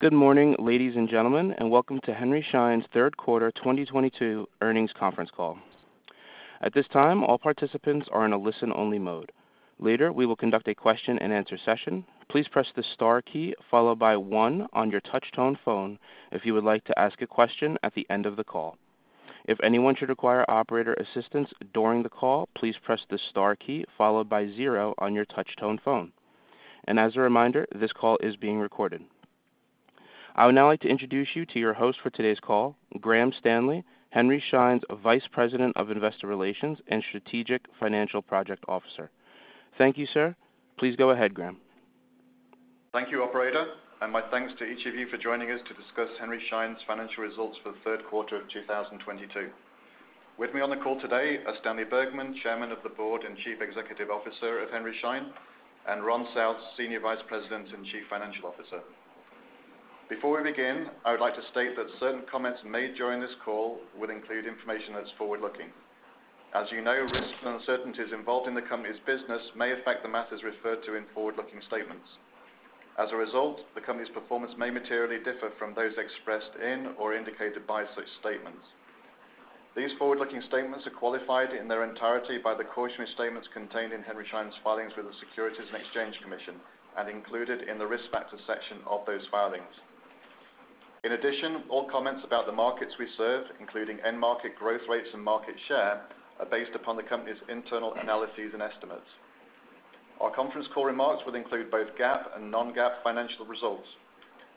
Good morning, ladies and gentlemen, and welcome to Henry Schein's Third Quarter 2022 earnings conference call. At this time, all participants are in a listen-only mode. Later, we will conduct a question-and-answer session. Please press the star key followed by one on your touch-tone phone if you would like to ask a question at the end of the call. If anyone should require operator assistance during the call, please press the star key followed by zero on your touch-tone phone. As a reminder, this call is being recorded. I would now like to introduce you to your host for today's call, Graham Stanley, Henry Schein's Vice President of Investor Relations and Strategic Financial Project Officer. Thank you, sir. Please go ahead, Graham. Thank you, operator, and my thanks to each of you for joining us to discuss Henry Schein's financial results for the third quarter of 2022. With me on the call today are Stanley Bergman, Chairman of the Board and Chief Executive Officer of Henry Schein, and Ronald South, Senior Vice President and Chief Financial Officer. Before we begin, I would like to state that certain comments made during this call would include information that's forward-looking. As you know, risks and uncertainties involved in the company's business may affect the matters referred to in forward-looking statements. As a result, the company's performance may materially differ from those expressed in or indicated by such statements. These forward-looking statements are qualified in their entirety by the cautionary statements contained in Henry Schein's filings with the Securities and Exchange Commission and included in the Risk Factors section of those filings. In addition, all comments about the markets we serve, including end market growth rates and market share, are based upon the company's internal analyses and estimates. Our conference call remarks will include both GAAP and non-GAAP financial results.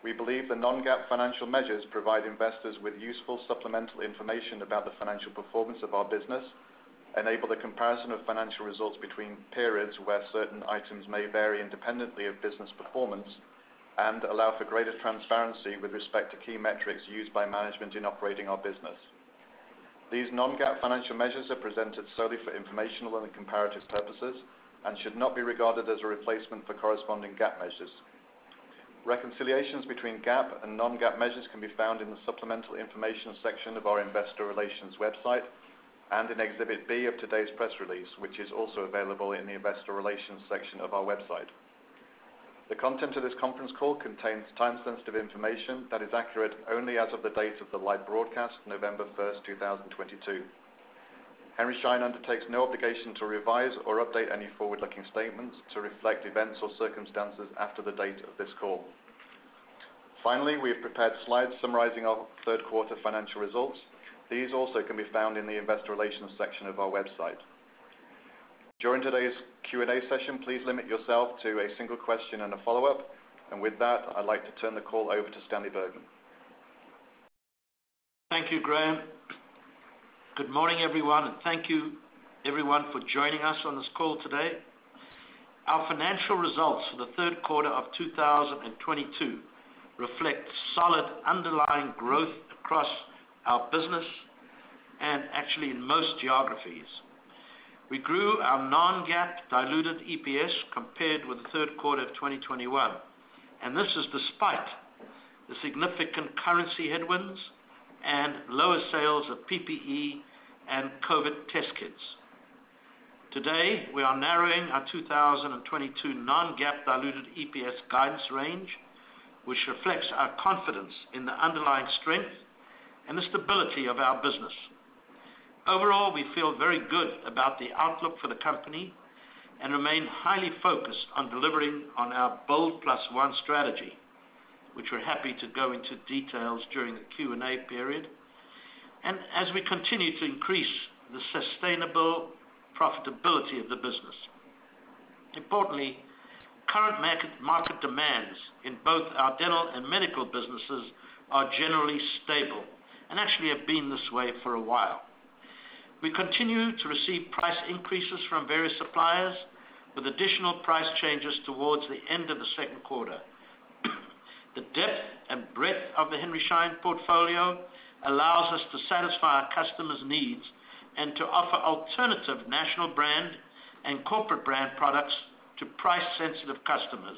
We believe the non-GAAP financial measures provide investors with useful supplemental information about the financial performance of our business, enable the comparison of financial results between periods where certain items may vary independently of business performance, and allow for greater transparency with respect to key metrics used by management in operating our business. These non-GAAP financial measures are presented solely for informational and comparative purposes and should not be regarded as a replacement for corresponding GAAP measures. Reconciliations between GAAP and non-GAAP measures can be found in the supplemental information section of our investor relations website and in Exhibit B of today's press release, which is also available in the investor relations section of our website. The content of this conference call contains time-sensitive information that is accurate only as of the date of the live broadcast, November 1st, 2022. Henry Schein undertakes no obligation to revise or update any forward-looking statements to reflect events or circumstances after the date of this call. Finally, we have prepared slides summarizing our third quarter financial results. These also can be found in the investor relations section of our website. During today's Q&A session, please limit yourself to a single question and a follow-up. With that, I'd like to turn the call over to Stanley Bergman. Thank you, Graham. Good morning, everyone, and thank you everyone for joining us on this call today. Our financial results for the third quarter of 2022 reflect solid underlying growth across our business and actually in most geographies. We grew our non-GAAP diluted EPS compared with the third quarter of 2021, and this is despite the significant currency headwinds and lower sales of PPE and COVID test kits. Today, we are narrowing our 2022 non-GAAP diluted EPS guidance range, which reflects our confidence in the underlying strength and the stability of our business. Overall, we feel very good about the outlook for the company and remain highly focused on delivering on our BOLD+1 strategy, which we're happy to go into details during the Q&A period, and as we continue to increase the sustainable profitability of the business. Importantly, current market demands in both our dental and medical businesses are generally stable and actually have been this way for a while. We continue to receive price increases from various suppliers with additional price changes toward the end of the second quarter. The depth and breadth of the Henry Schein portfolio allows us to satisfy our customers' needs and to offer alternative national brand and corporate brand products to price-sensitive customers,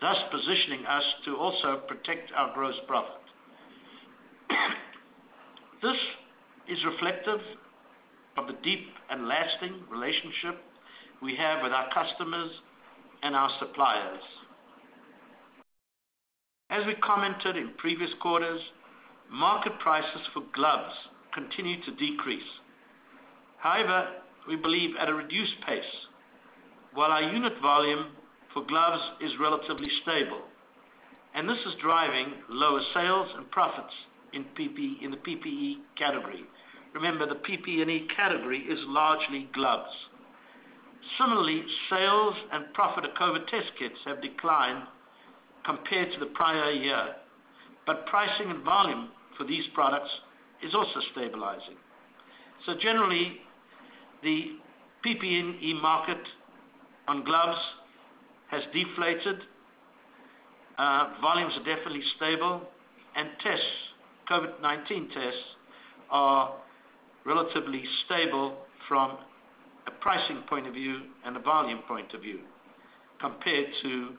thus positioning us to also protect our gross profit. This is reflective of the deep and lasting relationship we have with our customers and our suppliers. As we commented in previous quarters, market prices for gloves continue to decrease. However, we believe at a reduced pace, while our unit volume for gloves is relatively stable, and this is driving lower sales and profits in the PPE category. Remember, the PPE category is largely gloves. Similarly, sales and profit of COVID test kits have declined compared to the prior year, but pricing and volume for these products is also stabilizing. Generally, the PPE market on gloves has deflated, volumes are definitely stable, and tests, COVID-19 tests, are relatively stable from a pricing point of view and a volume point of view compared to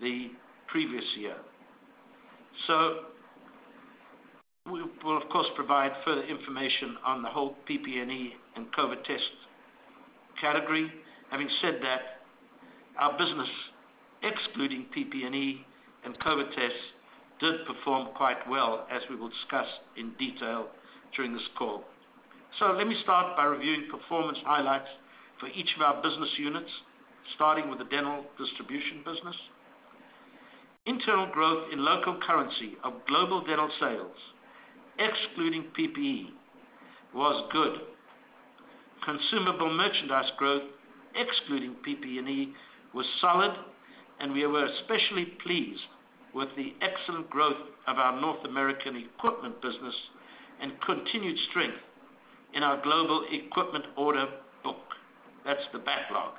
the previous year. We will, of course, provide further information on the whole PPE and COVID test category. Having said that, our business excluding PPE and COVID tests did perform quite well, as we will discuss in detail during this call. Let me start by reviewing performance highlights for each of our business units, starting with the dental distribution business. Internal growth in local currency of global dental sales, excluding PPE, was good. Consumable merchandise growth, excluding PPE, was solid, and we were especially pleased with the excellent growth of our North American equipment business and continued strength in our global equipment order book. That's the backlog.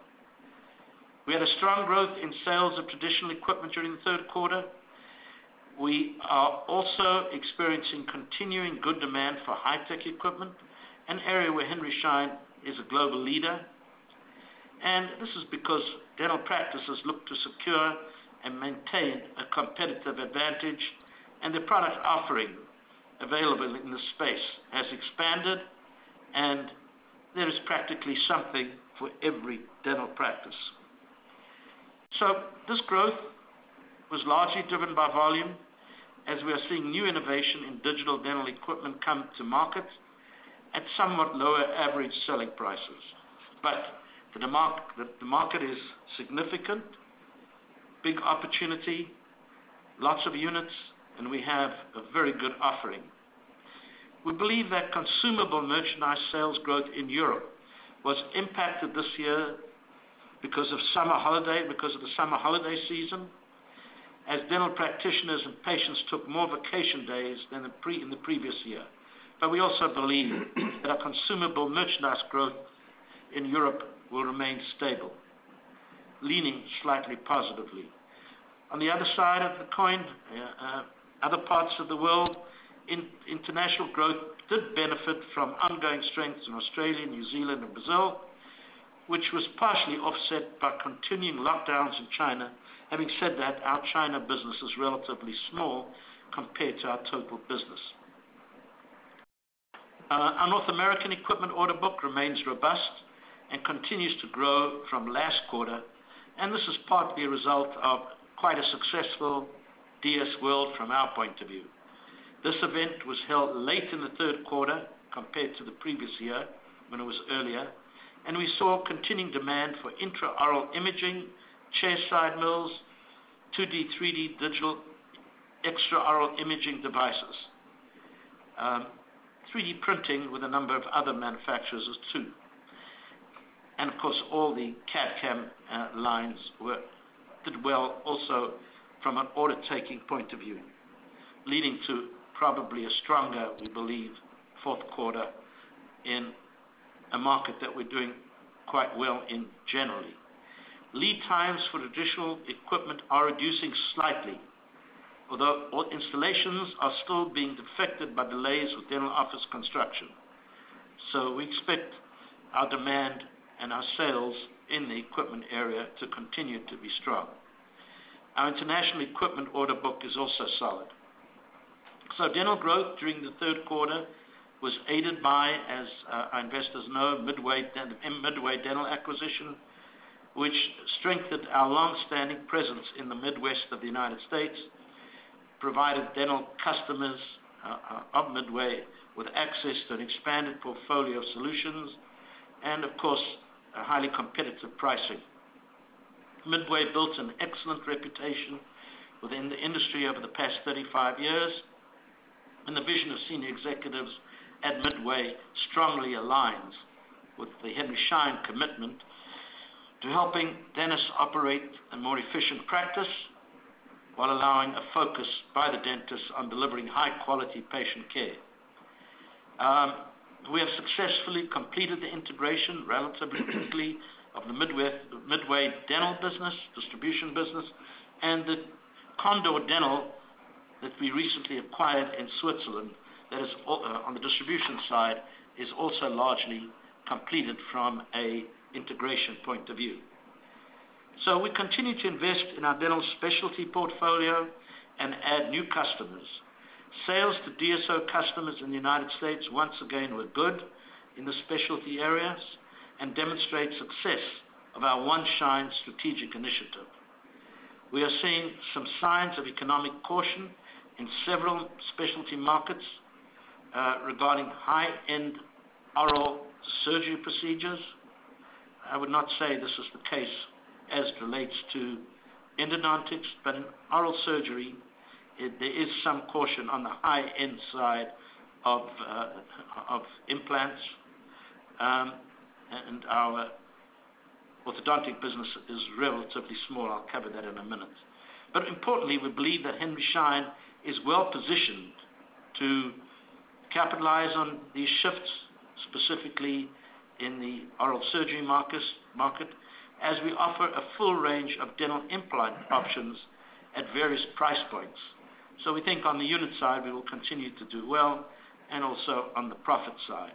We had a strong growth in sales of traditional equipment during the third quarter. We are also experiencing continuing good demand for high-tech equipment, an area where Henry Schein is a global leader. This is because dental practices look to secure and maintain a competitive advantage, and the product offering available in this space has expanded, and there is practically something for every dental practice. This growth was largely driven by volume, as we are seeing new innovation in digital dental equipment come to market at somewhat lower average selling prices. The market is significant, big opportunity, lots of units, and we have a very good offering. We believe that consumable merchandise sales growth in Europe was impacted this year because of summer holiday, because of the summer holiday season, as dental practitioners and patients took more vacation days than in the previous year. We also believe that consumable merchandise growth in Europe will remain stable, leaning slightly positively. On the other side of the coin, other parts of the world, international growth did benefit from ongoing strengths in Australia, New Zealand and Brazil, which was partially offset by continuing lockdowns in China. Having said that, our China business is relatively small compared to our total business. Our North American equipment order book remains robust and continues to grow from last quarter, and this is partly a result of quite a successful DS World from our point of view. This event was held late in the third quarter compared to the previous year when it was earlier, and we saw continuing demand for intraoral imaging, chairside mills, 2D, 3D digital extraoral imaging devices. 3D printing with a number of other manufacturers as well. Of course, all the CAD/CAM lines did well also from an order-taking point of view, leading to probably a stronger, we believe, fourth quarter in a market that we're doing quite well in generally. Lead times for traditional equipment are reducing slightly, although all installations are still being affected by delays with dental office construction. We expect our demand and our sales in the equipment area to continue to be strong. Our international equipment order book is also solid. Dental growth during the third quarter was aided by, as our investors know, Midway Dental acquisition, which strengthened our longstanding presence in the Midwest of the United States, provided dental customers of Midway with access to an expanded portfolio of solutions and, of course, a highly competitive pricing. Midway built an excellent reputation within the industry over the past 35 years, and the vision of senior executives at Midway strongly aligns with the Henry Schein commitment to helping dentists operate a more efficient practice while allowing a focus by the dentist on delivering high-quality patient care. We have successfully completed the integration relatively quickly of the Midway Dental business, distribution business, and the Condor Dental that we recently acquired in Switzerland that is on the distribution side, also largely completed from a integration point of view. We continue to invest in our dental specialty portfolio and add new customers. Sales to DSO customers in the United States once again were good in the specialty areas and demonstrate success of our One Schein strategic initiative. We are seeing some signs of economic caution in several specialty markets, regarding high-end oral surgery procedures. I would not say this is the case as it relates to endodontics, but in oral surgery, there is some caution on the high-end side of of implants. Our orthodontic business is relatively small. I'll cover that in a minute. Importantly, we believe that Henry Schein is well-positioned to capitalize on these shifts, specifically in the oral surgery market, as we offer a full range of dental implant options at various price points. We think on the unit side, we will continue to do well, and also on the profit side.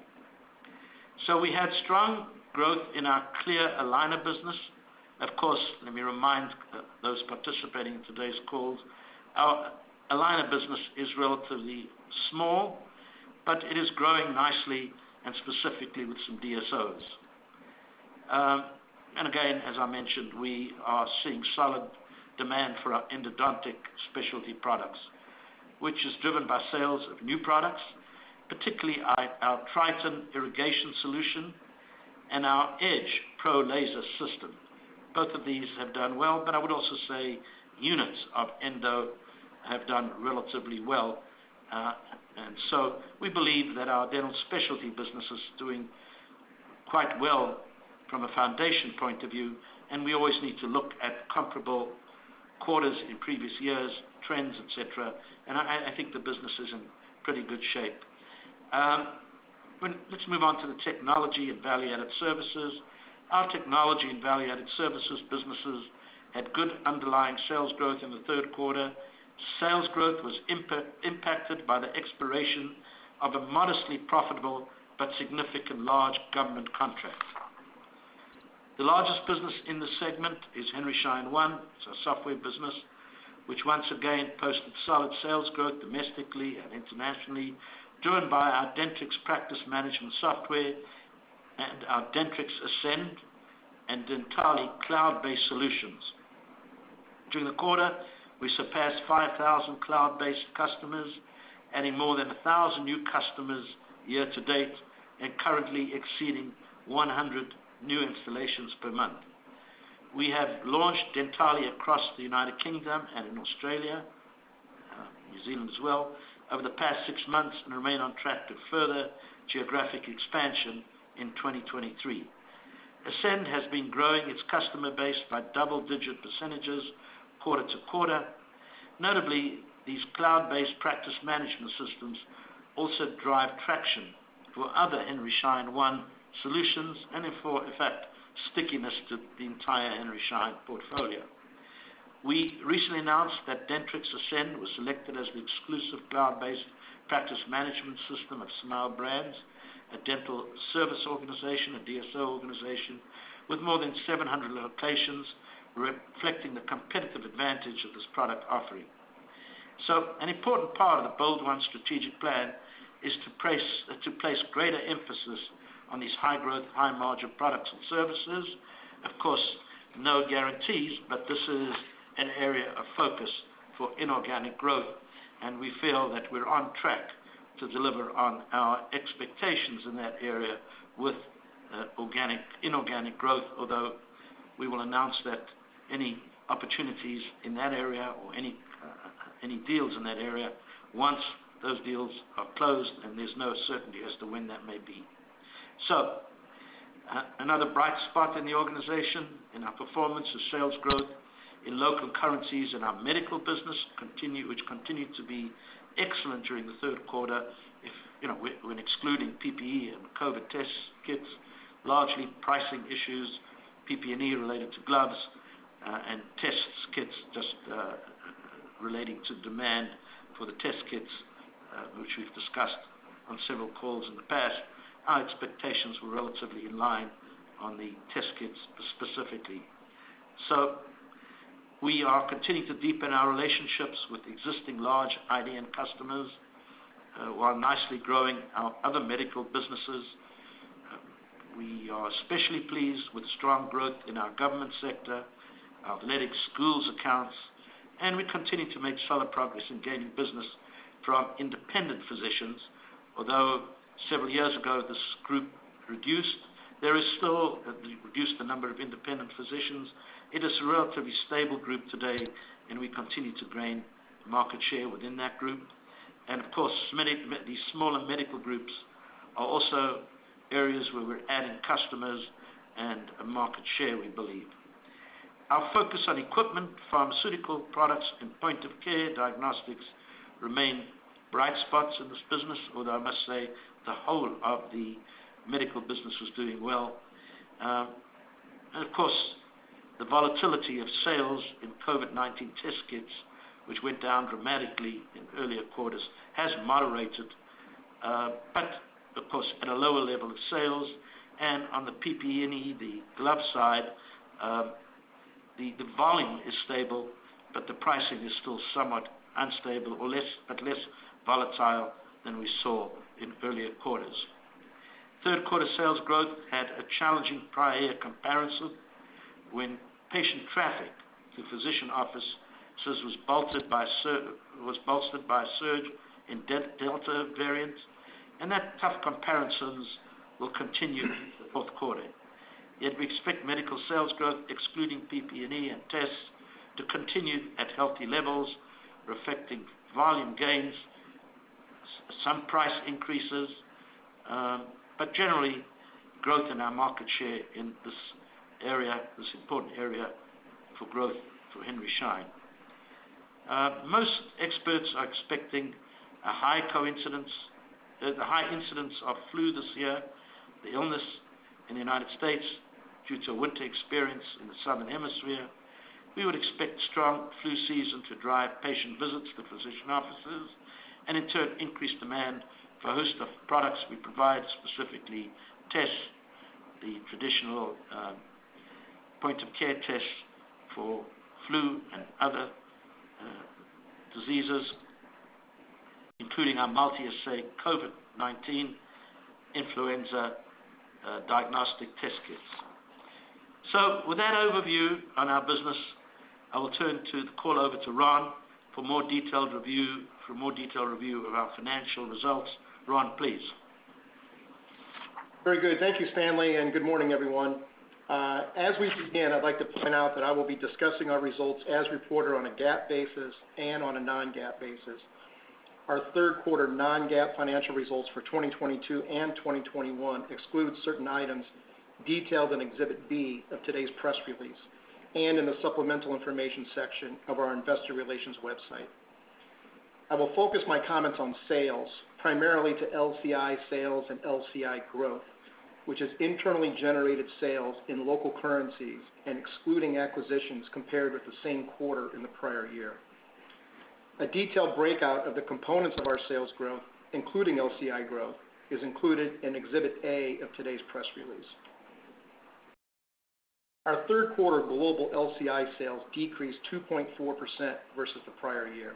We had strong growth in our clear aligner business. Of course, let me remind those participating in today's call, our aligner business is relatively small, but it is growing nicely and specifically with some DSOs. And again, as I mentioned, we are seeing solid demand for our endodontic specialty products, which is driven by sales of new products, particularly our Triton irrigation solution and our EdgePRO Laser system. Both of these have done well, but I would also say units of Endo have done relatively well. We believe that our dental specialty business is doing quite well from a foundation point of view, and we always need to look at comparable quarters in previous years, trends, etc.. I think the business is in pretty good shape. Let's move on to the technology and value-added services. Our technology and value-added services businesses had good underlying sales growth in the third quarter. Sales growth was impacted by the expiration of a modestly profitable but significantly large government contract. The largest business in this segment is Henry Schein One. It's a software business, which once again posted solid sales growth domestically and internationally, driven by our Dentrix practice management software and our Dentrix Ascend and entirely cloud-based solutions. During the quarter, we surpassed 5,000 cloud-based customers, adding more than 1,000 new customers year to date and currently exceeding 100 new installations per month. We have launched Dentally across the United Kingdom and in Australia, New Zealand as well, over the past six months and remain on track to further geographic expansion in 2023. Ascend has been growing its customer base by double-digit percentages quarter to quarter. Notably, these cloud-based practice management systems also drive traction for other Henry Schein One solutions and therefore affect stickiness to the entire Henry Schein portfolio. We recently announced that Dentrix Ascend was selected as the exclusive cloud-based practice management system of Smile Brands, a dental service organization, a DSO organization with more than 700 locations, reflecting the competitive advantage of this product offering. An important part of the BOLD+1 strategic plan is to place greater emphasis on these high-growth, high-margin products and services. Of course, no guarantees, but this is an area of focus for inorganic growth, and we feel that we're on track to deliver on our expectations in that area with inorganic growth. Although we will announce that any opportunities in that area or any deals in that area once those deals are closed, and there's no certainty as to when that may be. Another bright spot in the organization, in our performance of sales growth in local currencies, in our medical business which continued to be excellent during the third quarter. When excluding PPE and COVID test kits, largely pricing issues, PPE related to gloves and test kits just relating to demand for the test kits, which we've discussed on several calls in the past, our expectations were relatively in line on the test kits specifically. We are continuing to deepen our relationships with existing large IDN customers, while nicely growing our other medical businesses. We are especially pleased with strong growth in our government sector, our athletic schools accounts, and we continue to make solid progress in gaining business from independent physicians. Although several years ago, this group reduced the number of independent physicians. It is a relatively stable group today, and we continue to gain market share within that group. Of course, many of these smaller medical groups are also areas where we're adding customers and market share, we believe. Our focus on equipment, pharmaceutical products and point-of-care diagnostics remain bright spots in this business. Although I must say, the whole of the medical business was doing well. Of course, the volatility of sales in COVID-19 test kits, which went down dramatically in earlier quarters, has moderated, but of course, at a lower level of sales. On the PPE, the glove side, the volume is stable, but the pricing is still somewhat unstable or less, but less volatile than we saw in earlier quarters. Third quarter sales growth had a challenging prior year comparison when patient traffic to physician offices was bolstered by a surge in Delta variants, and that tough comparison will continue in the fourth quarter. Yet we expect medical sales growth, excluding PPE and tests, to continue at healthy levels, reflecting volume gains, some price increases, but generally growth in our market share in this area, this important area for growth for Henry Schein. Most experts are expecting a high incidence of flu this year in the United States, due to winter experience in the southern hemisphere. We would expect strong flu season to drive patient visits to physician offices and in turn, increase demand for a host of products we provide, specifically tests, the traditional point of care tests for flu and other diseases, including our multi-assay COVID-19 influenza diagnostic test kits. With that overview on our business, I will turn the call over to Ron for more detailed review of our financial results. Ron, please. Very good. Thank you, Stanley, and good morning, everyone. As we begin, I'd like to point out that I will be discussing our results as reported on a GAAP basis and on a non-GAAP basis. Our third quarter non-GAAP financial results for 2022 and 2021 exclude certain items detailed in Exhibit B of today's press release and in the supplemental information section of our investor relations website. I will focus my comments on sales, primarily to LCI sales and LCI growth, which is internally generated sales in local currencies and excluding acquisitions compared with the same quarter in the prior year. A detailed breakout of the components of our sales growth, including LCI growth, is included in Exhibit A of today's press release. Our third quarter global LCI sales decreased 2.4% versus the prior year.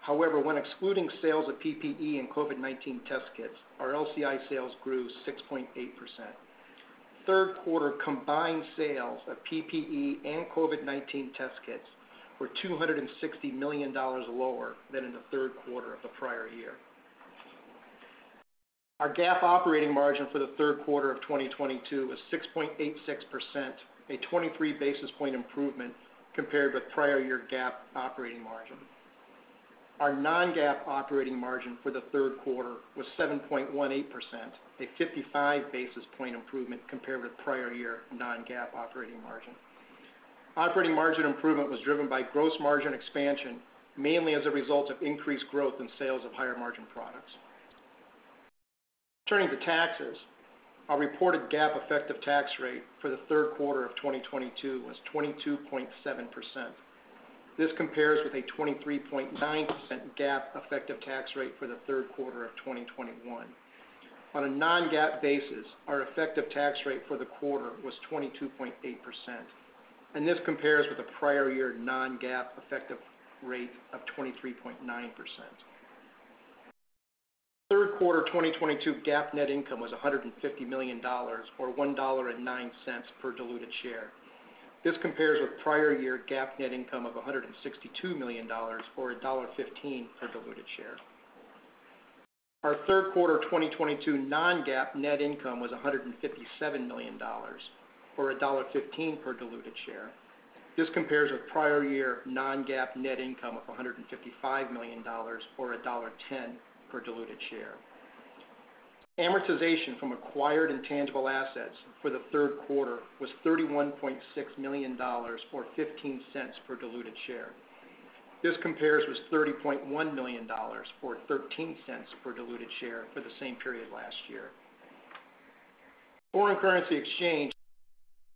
However, when excluding sales of PPE and COVID-19 test kits, our LCI sales grew 6.8%. Third quarter combined sales of PPE and COVID-19 test kits were $260 million lower than in the third quarter of the prior year. Our GAAP operating margin for the third quarter of 2022 was 6.86%, a 23 basis point improvement compared with prior year GAAP operating margin. Our non-GAAP operating margin for the third quarter was 7.18%, a 55 basis point improvement compared with prior year non-GAAP operating margin. Operating margin improvement was driven by gross margin expansion, mainly as a result of increased growth in sales of higher margin products. Turning to taxes, our reported GAAP effective tax rate for the third quarter of 2022 was 22.7%. This compares with a 23.9% GAAP effective tax rate for the third quarter of 2021. On a non-GAAP basis, our effective tax rate for the quarter was 22.8%, and this compares with the prior year non-GAAP effective rate of 23.9%. Third quarter 2022 GAAP net income was $150 million or $1.09 per diluted share. This compares with prior year GAAP net income of $162 million or $1.15 per diluted share. Our third quarter 2022 non-GAAP net income was $157 million or $1.15 per diluted share. This compares with prior year non-GAAP net income of $155 million or $1.10 per diluted share. Amortization from acquired intangible assets for the third quarter was $31.6 million, or $0.15 per diluted share. This compares with $30.1 million, or $0.13 per diluted share, for the same period last year. Foreign currency exchange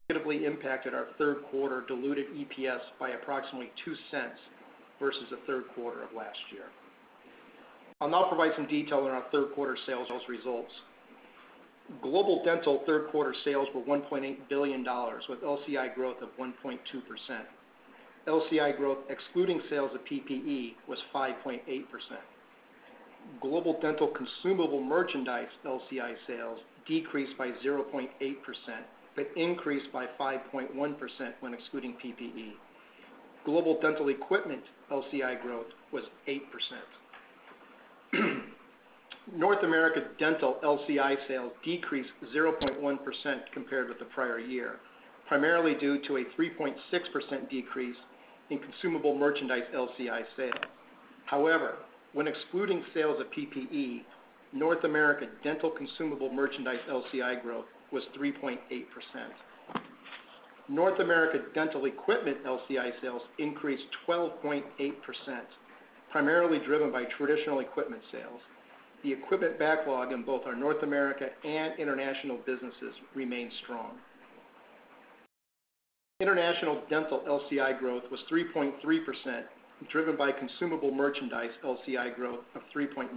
significantly impacted our third quarter diluted EPS by approximately $0.02 versus the third quarter of last year. I'll now provide some detail on our third quarter sales results. Global Dental third quarter sales were $1.8 billion, with LCI growth of 1.2%. LCI growth, excluding sales of PPE, was 5.8%. Global Dental consumable merchandise LCI sales decreased by 0.8%, but increased by 5.1% when excluding PPE. Global Dental equipment LCI growth was 8%. North America Dental LCI sales decreased 0.1% compared with the prior year, primarily due to a 3.6% decrease in consumable merchandise LCI sales. However, when excluding sales of PPE, North America Dental consumable merchandise LCI growth was 3.8%. North America Dental equipment LCI sales increased 12.8%, primarily driven by traditional equipment sales. The equipment backlog in both our North America and international businesses remains strong. International Dental LCI growth was 3.3%, driven by consumable merchandise LCI growth of 3.9%.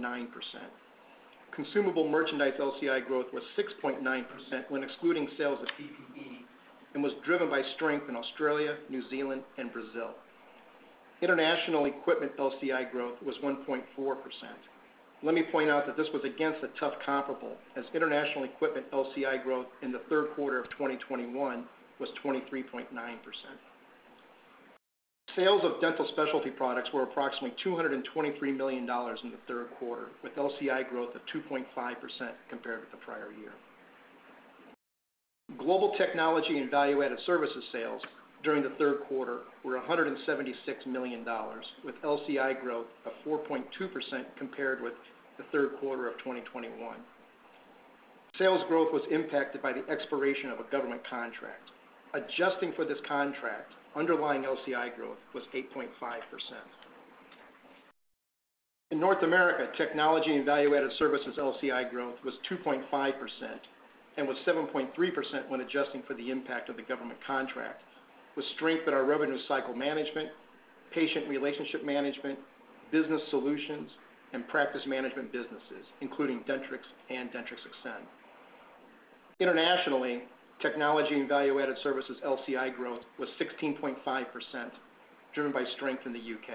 Consumable merchandise LCI growth was 6.9% when excluding sales of PPE and was driven by strength in Australia, New Zealand, and Brazil. International equipment LCI growth was 1.4%. Let me point out that this was against a tough comparable as international equipment LCI growth in the third quarter of 2021 was 23.9%. Sales of dental specialty products were approximately $223 million in the third quarter, with LCI growth of 2.5% compared with the prior year. Global technology and value-added services sales during the third quarter were $176 million, with LCI growth of 4.2% compared with the third quarter of 2021. Sales growth was impacted by the expiration of a government contract. Adjusting for this contract, underlying LCI growth was 8.5%. In North America, technology and value-added services LCI growth was 2.5% and was 7.3% when adjusting for the impact of the government contract, with strength in our revenue cycle management, patient relationship management, business solutions, and practice management businesses, including Dentrix and Dentrix Ascend. Internationally, technology and value-added services LCI growth was 16.5%, driven by strength in the U.K..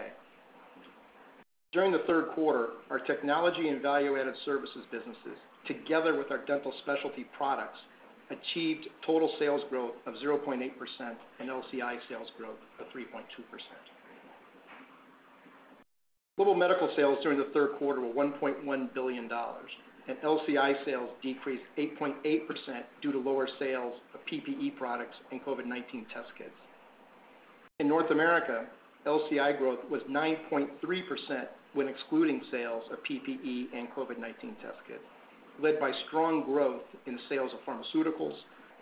During the third quarter, our technology and value-added services businesses, together with our dental specialty products, achieved total sales growth of 0.8% and LCI sales growth of 3.2%. Global medical sales during the third quarter were $1.1 billion, and LCI sales decreased 8.8% due to lower sales of PPE products and COVID-19 test kits. In North America, LCI growth was 9.3% when excluding sales of PPE and COVID-19 test kits, led by strong growth in the sales of pharmaceuticals,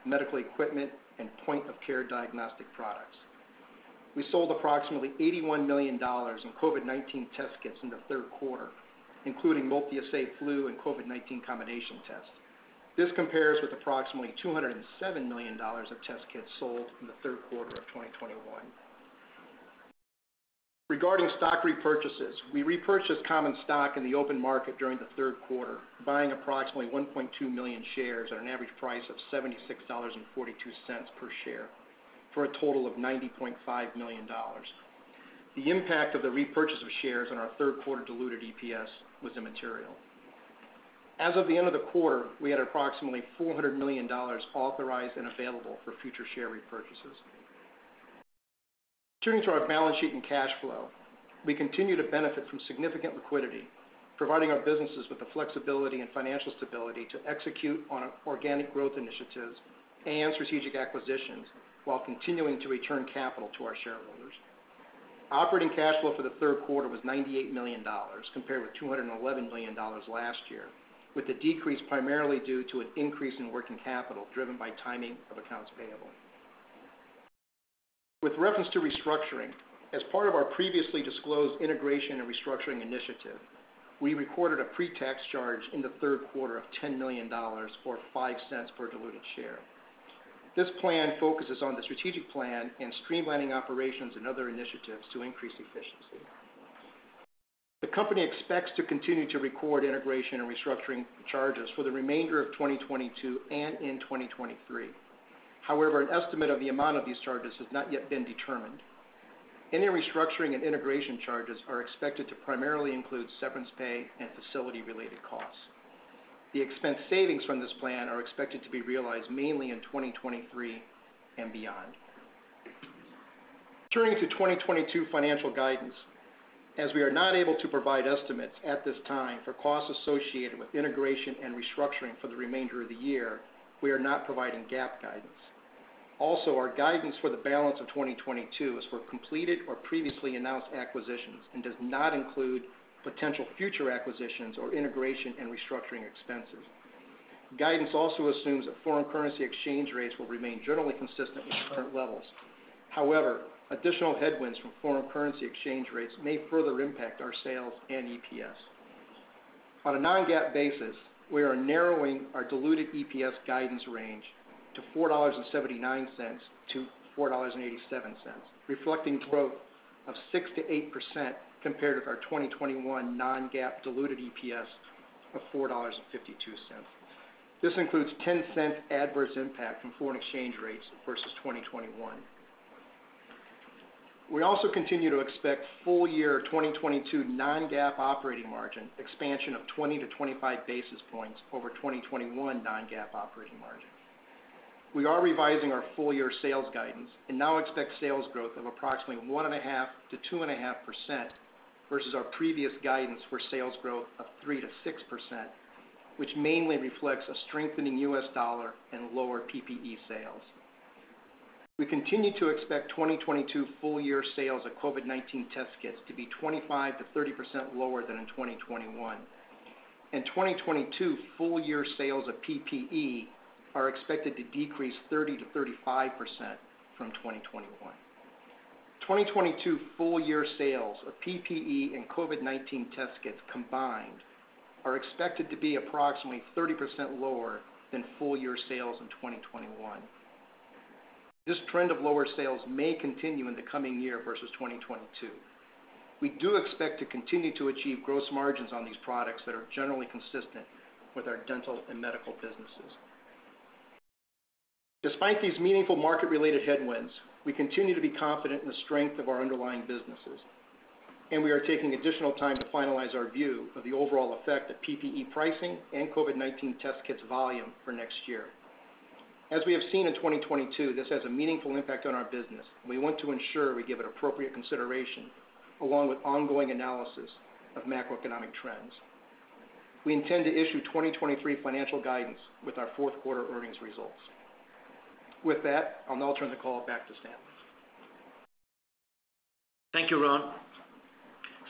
medical equipment, and point-of-care diagnostic products. We sold approximately $81 million in COVID-19 test kits in the third quarter, including MultiAssay flu and COVID-19 combination tests. This compares with approximately $207 million of test kits sold in the third quarter of 2021. Regarding stock repurchases, we repurchased common stock in the open market during the third quarter, buying approximately 1.2 million shares at an average price of $76.42 per share for a total of $90.5 million. The impact of the repurchase of shares on our third quarter diluted EPS was immaterial. As of the end of the quarter, we had approximately $400 million authorized and available for future share repurchases. Turning to our balance sheet and cash flow, we continue to benefit from significant liquidity, providing our businesses with the flexibility and financial stability to execute on organic growth initiatives and strategic acquisitions while continuing to return capital to our shareholders. Operating cash flow for the third quarter was $98 million, compared with $211 million last year, with the decrease primarily due to an increase in working capital, driven by timing of accounts payable. With reference to restructuring, as part of our previously disclosed integration and restructuring initiative, we recorded a pre-tax charge in the third quarter of $10 million, or $0.05 per diluted share. This plan focuses on the strategic plan and streamlining operations and other initiatives to increase efficiency. The company expects to continue to record integration and restructuring charges for the remainder of 2022 and in 2023. However, an estimate of the amount of these charges has not yet been determined. Any restructuring and integration charges are expected to primarily include severance pay and facility-related costs. The expense savings from this plan are expected to be realized mainly in 2023 and beyond. Turning to 2022 financial guidance. As we are not able to provide estimates at this time for costs associated with integration and restructuring for the remainder of the year, we are not providing GAAP guidance. Also, our guidance for the balance of 2022 is for completed or previously announced acquisitions and does not include potential future acquisitions or integration and restructuring expenses. Guidance also assumes that foreign currency exchange rates will remain generally consistent with current levels. However, additional headwinds from foreign currency exchange rates may further impact our sales and EPS. On a non-GAAP basis, we are narrowing our diluted EPS guidance range to $4.79-$4.87, reflecting growth of 6%-8% compared with our 2021 non-GAAP diluted EPS of $4.52. This includes $0.10 adverse impact from foreign exchange rates versus 2021. We also continue to expect full year 2022 non-GAAP operating margin expansion of 20-25 basis points over 2021 non-GAAP operating margin. We are revising our full year sales guidance and now expect sales growth of approximately 1.5%-2.5% versus our previous guidance for sales growth of 3%-6%, which mainly reflects a strengthening U.S. dollar and lower PPE sales. We continue to expect 2022 full year sales of COVID-19 test kits to be 25%-30% lower than in 2021. 2022 full year sales of PPE are expected to decrease 30%-35% from 2021. 2022 full year sales of PPE and COVID-19 test kits combined are expected to be approximately 30% lower than full year sales in 2021. This trend of lower sales may continue in the coming year versus 2022. We do expect to continue to achieve gross margins on these products that are generally consistent with our dental and medical businesses. Despite these meaningful market-related headwinds, we continue to be confident in the strength of our underlying businesses, and we are taking additional time to finalize our view of the overall effect of PPE pricing and COVID-19 test kits volume for next year. As we have seen in 2022, this has a meaningful impact on our business, and we want to ensure we give it appropriate consideration along with ongoing analysis of macroeconomic trends. We intend to issue 2023 financial guidance with our fourth quarter earnings results. With that, I'll now turn the call back to Stanley. Thank you, Ron.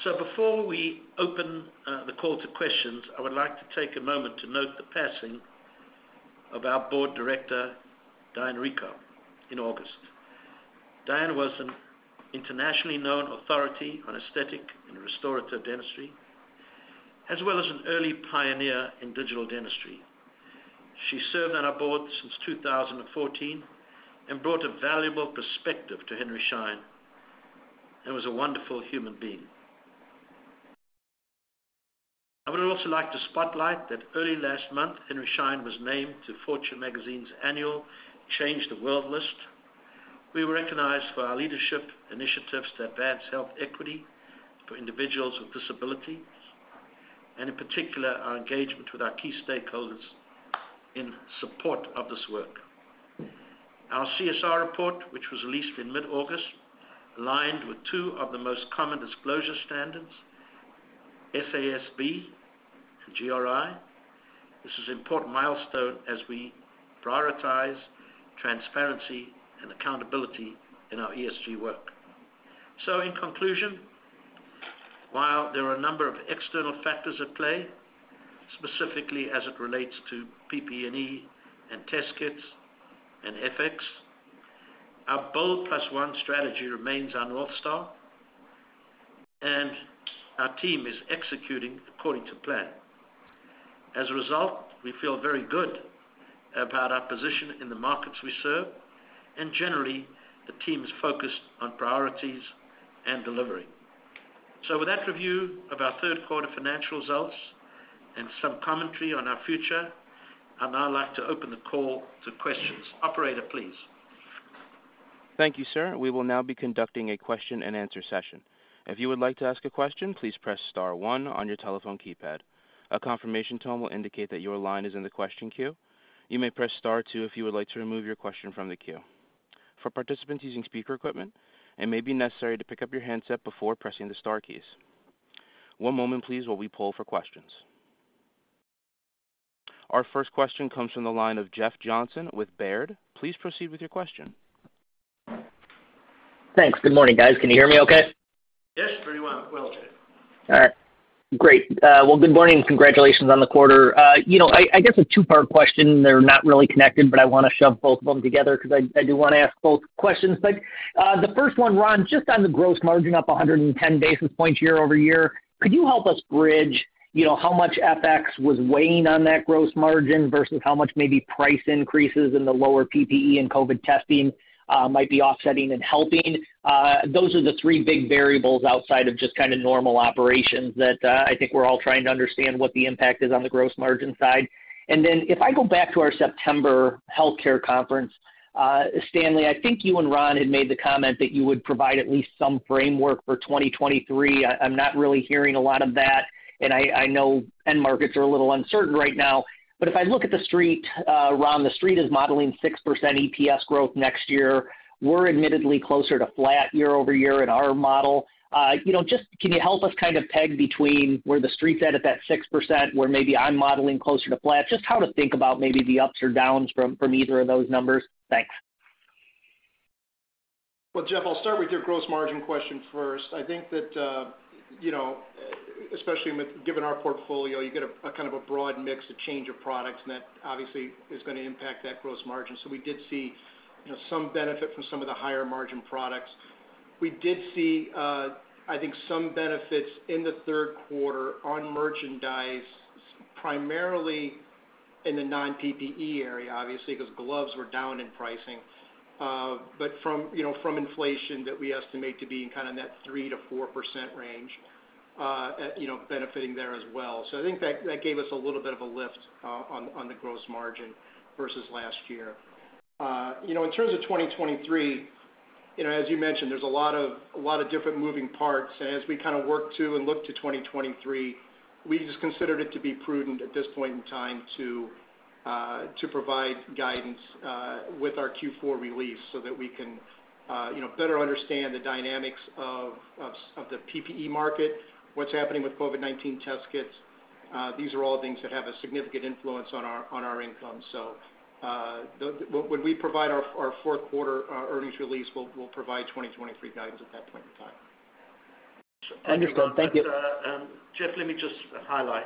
Before we open the call to questions, I would like to take a moment to note the passing Of our Board Director, Diane Ricco, in August. Diane was an internationally known authority on aesthetic and restorative dentistry, as well as an early pioneer in digital dentistry. She served on our board since 2014 and brought a valuable perspective to Henry Schein, and was a wonderful human being. I would also like to spotlight that early last month, Henry Schein was named to Fortune Magazine's annual Change the World list. We were recognized for our leadership initiatives to advance health equity for individuals with disabilities, and in particular, our engagement with our key stakeholders in support of this work. Our CSR report, which was released in mid-August, aligned with two of the most common disclosure standards, SASB and GRI. This is an important milestone as we prioritize transparency and accountability in our ESG work. In conclusion, while there are a number of external factors at play, specifically as it relates to PPE and test kits and FX, our Bold+1 strategy remains our North Star, and our team is executing according to plan. As a result, we feel very good about our position in the markets we serve, and generally, the team is focused on priorities and delivery. With that review of our third quarter financial results and some commentary on our future, I'd now like to open the call to questions. Operator, please. Thank you, sir. We will now be conducting a question-and-answer session. If you would like to ask a question, please press star one on your telephone keypad. A confirmation tone will indicate that your line is in the question queue. You may press star two if you would like to remove your question from the queue. For participants using speaker equipment, it may be necessary to pick up your handset before pressing the star keys. One moment, please, while we poll for questions. Our first question comes from the line of Jeff Johnson with Baird. Please proceed with your question. Thanks. Good morning, guys. Can you hear me okay? Yes, pretty well. All right. Great. Well, good morning. Congratulations on the quarter. You know, I guess a two-part question. They're not really connected, but I wanna shove both of them together because I do wanna ask both questions. The first one, Ron, just on the gross margin up 110 basis points year-over-year, could you help us bridge, you know, how much FX was weighing on that gross margin versus how much maybe price increases in the lower PPE and COVID testing might be offsetting and helping? Those are the three big variables outside of just kind of normal operations that I think we're all trying to understand what the impact is on the gross margin side. If I go back to our September healthcare conference, Stanley, I think you and Ron had made the comment that you would provide at least some framework for 2023. I'm not really hearing a lot of that, and I know end markets are a little uncertain right now. If I look at the street, Ron, the street is modeling 6% EPS growth next year. We're admittedly closer to flat year-over-year in our model. You know, just can you help us kind of peg between where the street's at at that 6%, where maybe I'm modeling closer to flat, just how to think about maybe the ups or downs from either of those numbers? Thanks. Well, Jeff, I'll start with your gross margin question first. I think that, you know, especially given our portfolio, you get a kind of a broad mix, a change of products, and that obviously is gonna impact that gross margin. We did see, you know, some benefit from some of the higher margin products. We did see, I think some benefits in the third quarter on merchandise, primarily in the non-PPE area, obviously, because gloves were down in pricing. But from, you know, from inflation that we estimate to be in kind of that 3%-4% range, you know, benefiting there as well. I think that gave us a little bit of a lift on the gross margin versus last year. You know, in terms of 2023, you know, as you mentioned, there's a lot of different moving parts. As we kind of work to and look to 2023, we just considered it to be prudent at this point in time to provide guidance with our Q4 release so that we can better understand the dynamics of the PPE market, what's happening with COVID-19 test kits. These are all things that have a significant influence on our income. When we provide our fourth quarter earnings release, we'll provide 2023 guidance at that point in time. Understood. Thank you. Jeff, let me just highlight.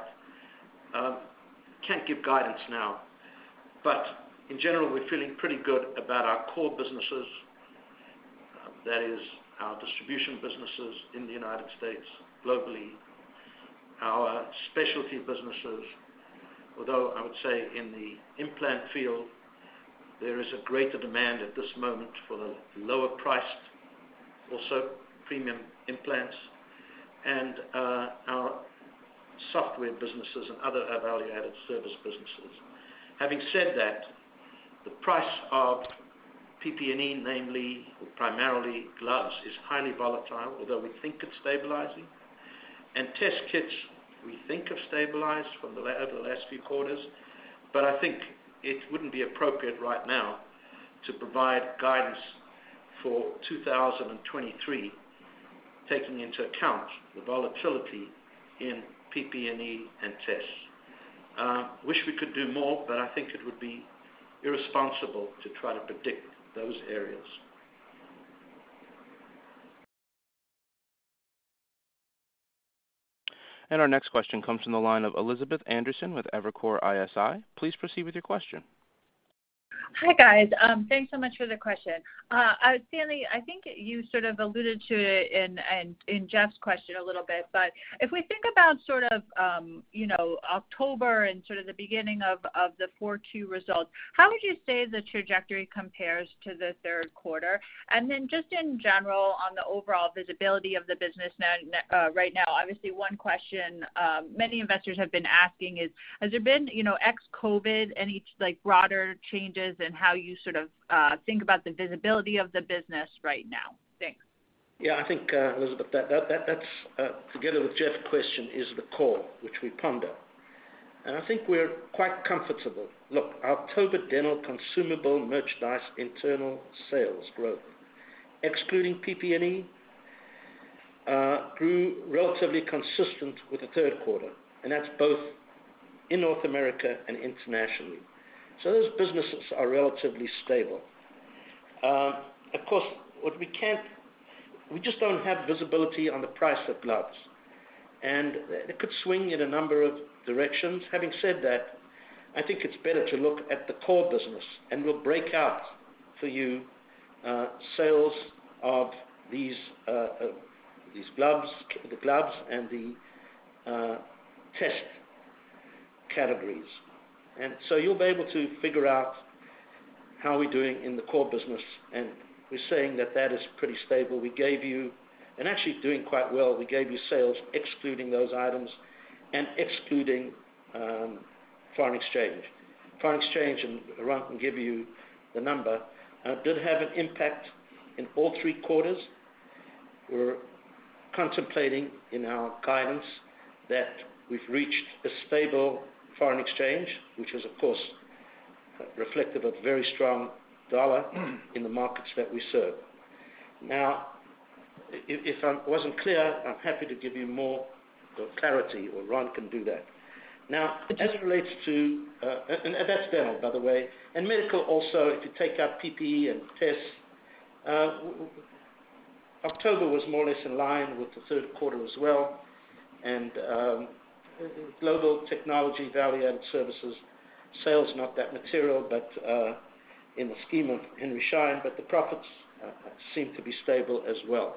Can't give guidance now, but in general, we're feeling pretty good about our core businesses. That is our distribution businesses in the United States, globally, our specialty businesses. Although I would say in the implant field, there is a greater demand at this moment for the lower priced, also premium implants and our software businesses and other value-added service businesses. Having said that, the price of PPE, namely or primarily gloves, is highly volatile, although we think it's stabilizing. Test kits, we think have stabilized over the last few quarters. But I think it wouldn't be appropriate right now to provide guidance for 2023, taking into account the volatility in PPE and tests. Wish we could do more, but I think it would be irresponsible to try to predict those areas. Our next question comes from the line of Elizabeth Anderson with Evercore ISI. Please proceed with your question. Hi, guys. Thanks so much for the question. Stanley, I think you sort of alluded to it in Jeff's question a little bit, but if we think about sort of, you know, October and sort of the beginning of the Q4 results, how would you say the trajectory compares to the third quarter? Then just in general, on the overall visibility of the business now, right now. Obviously, one question many investors have been asking is, has there been, you know, ex-COVID, any like, broader changes in how you sort of think about the visibility of the business right now? Thanks. Yeah. I think, Elizabeth, that that's together with Jeff's question is the core which we ponder. I think we're quite comfortable. Look, October dental consumable merchandise internal sales growth, excluding PPE, grew relatively consistent with the third quarter, and that's both in North America and internationally. Those businesses are relatively stable. Of course, we just don't have visibility on the price of gloves, and it could swing in a number of directions. Having said that, I think it's better to look at the core business, and we'll break out for you sales of these gloves and the test categories. You'll be able to figure out how we're doing in the core business, and we're saying that is pretty stable. We gave you actually doing quite well. We gave you sales excluding those items and excluding foreign exchange. Foreign exchange, and Ron can give you the number, did have an impact in all three quarters. We're contemplating in our guidance that we've reached a stable foreign exchange, which is, of course, reflective of very strong dollar in the markets that we serve. Now, if I wasn't clear, I'm happy to give you more clarity, or Ron can do that. Now, as it relates to that's dental, by the way. Medical also, if you take out PPE and tests, October was more or less in line with the third quarter as well. Global technology value-added services sales, not that material, but in the scheme of Henry Schein, but the profits seem to be stable as well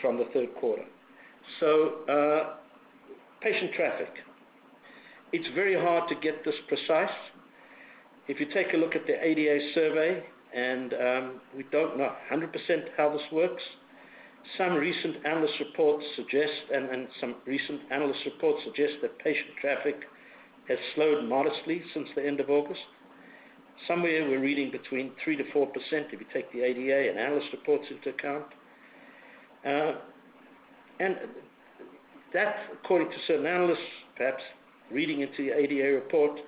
from the third quarter. Patient traffic, it's very hard to get this precise. If you take a look at the ADA survey, and we don't know 100% how this works. Some recent analyst reports suggest that patient traffic has slowed modestly since the end of August. Somewhere, we're reading between 3%-4% if you take the ADA and analyst reports into account. That, according to certain analysts, perhaps reading into the ADA report,